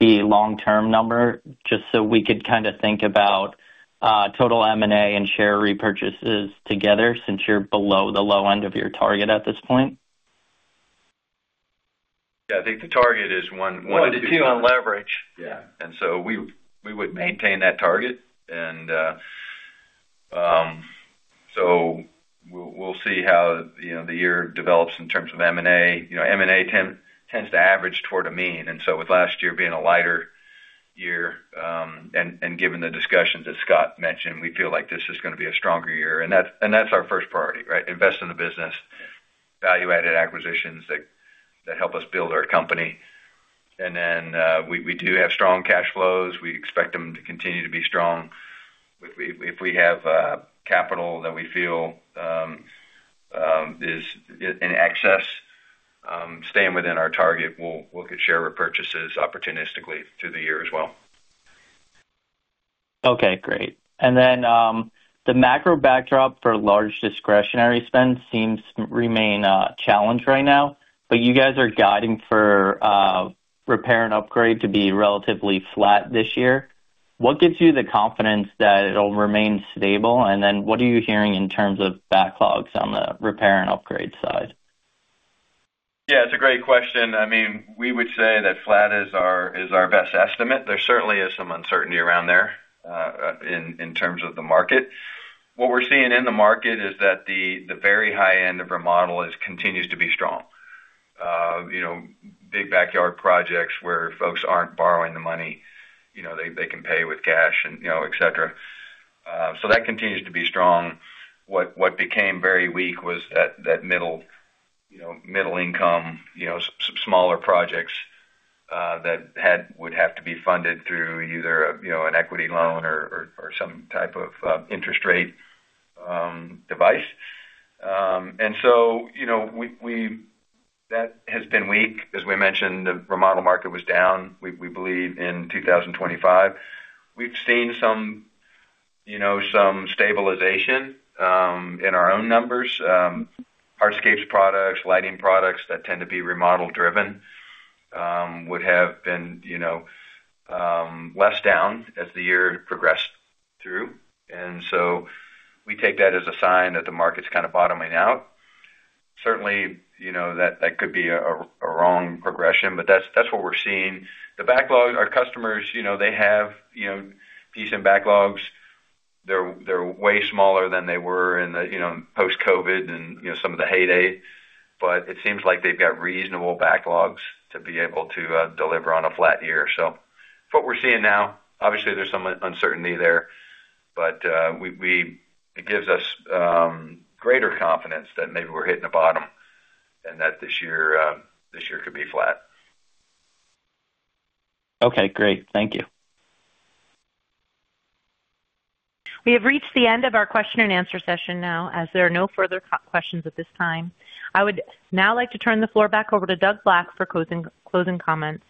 the long-term number just so we could kind of think about total M&A and share repurchases together since you're below the low end of your target at this point? Yeah. I think the target is 1-2. 1-2 on leverage. Yeah. And so we would maintain that target. And so we'll see how the year develops in terms of M&A. M&A tends to average toward a mean. And so with last year being a lighter year and given the discussions that Scott mentioned, we feel like this is going to be a stronger year. And that's our first priority, right? Invest in the business, value-added acquisitions that help us build our company. And then we do have strong cash flows. We expect them to continue to be strong. If we have capital that we feel is in excess, staying within our target, we'll look at share repurchases opportunistically through the year as well. Okay. Great. And then the macro backdrop for large discretionary spend seems to remain a challenge right now, but you guys are guiding for repair and upgrade to be relatively flat this year. What gives you the confidence that it'll remain stable? And then what are you hearing in terms of backlogs on the repair and upgrade side? Yeah. It's a great question. I mean, we would say that flat is our best estimate. There certainly is some uncertainty around there in terms of the market. What we're seeing in the market is that the very high end of remodel continues to be strong. Big backyard projects where folks aren't borrowing the money, they can pay with cash, etc. So that continues to be strong. What became very weak was that middle-income, smaller projects that would have to be funded through either an equity loan or some type of interest rate device. And so that has been weak. As we mentioned, the remodel market was down, we believe, in 2025. We've seen some stabilization in our own numbers. Hardscapes products, lighting products that tend to be remodel-driven would have been less down as the year progressed through. So we take that as a sign that the market's kind of bottoming out. Certainly, that could be a wrong progression, but that's what we're seeing. The backlog, our customers, they have decent backlogs. They're way smaller than they were in the post-COVID and some of the heyday. But it seems like they've got reasonable backlogs to be able to deliver on a flat year. So it's what we're seeing now. Obviously, there's some uncertainty there, but it gives us greater confidence that maybe we're hitting a bottom and that this year could be flat. Okay. Great. Thank you. We have reached the end of our question-and-answer session now as there are no further questions at this time. I would now like to turn the floor back over to Doug Black for closing comments.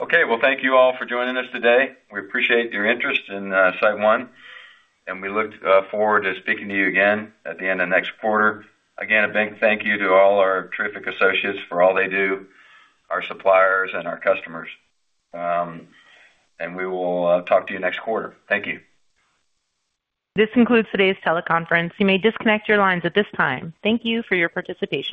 Okay. Well, thank you all for joining us today. We appreciate your interest in SiteOne. And we look forward to speaking to you again at the end of next quarter. Again, a big thank you to all our terrific associates for all they do, our suppliers, and our customers. And we will talk to you next quarter. Thank you. This includes today's teleconference. You may disconnect your lines at this time. Thank you for your participation.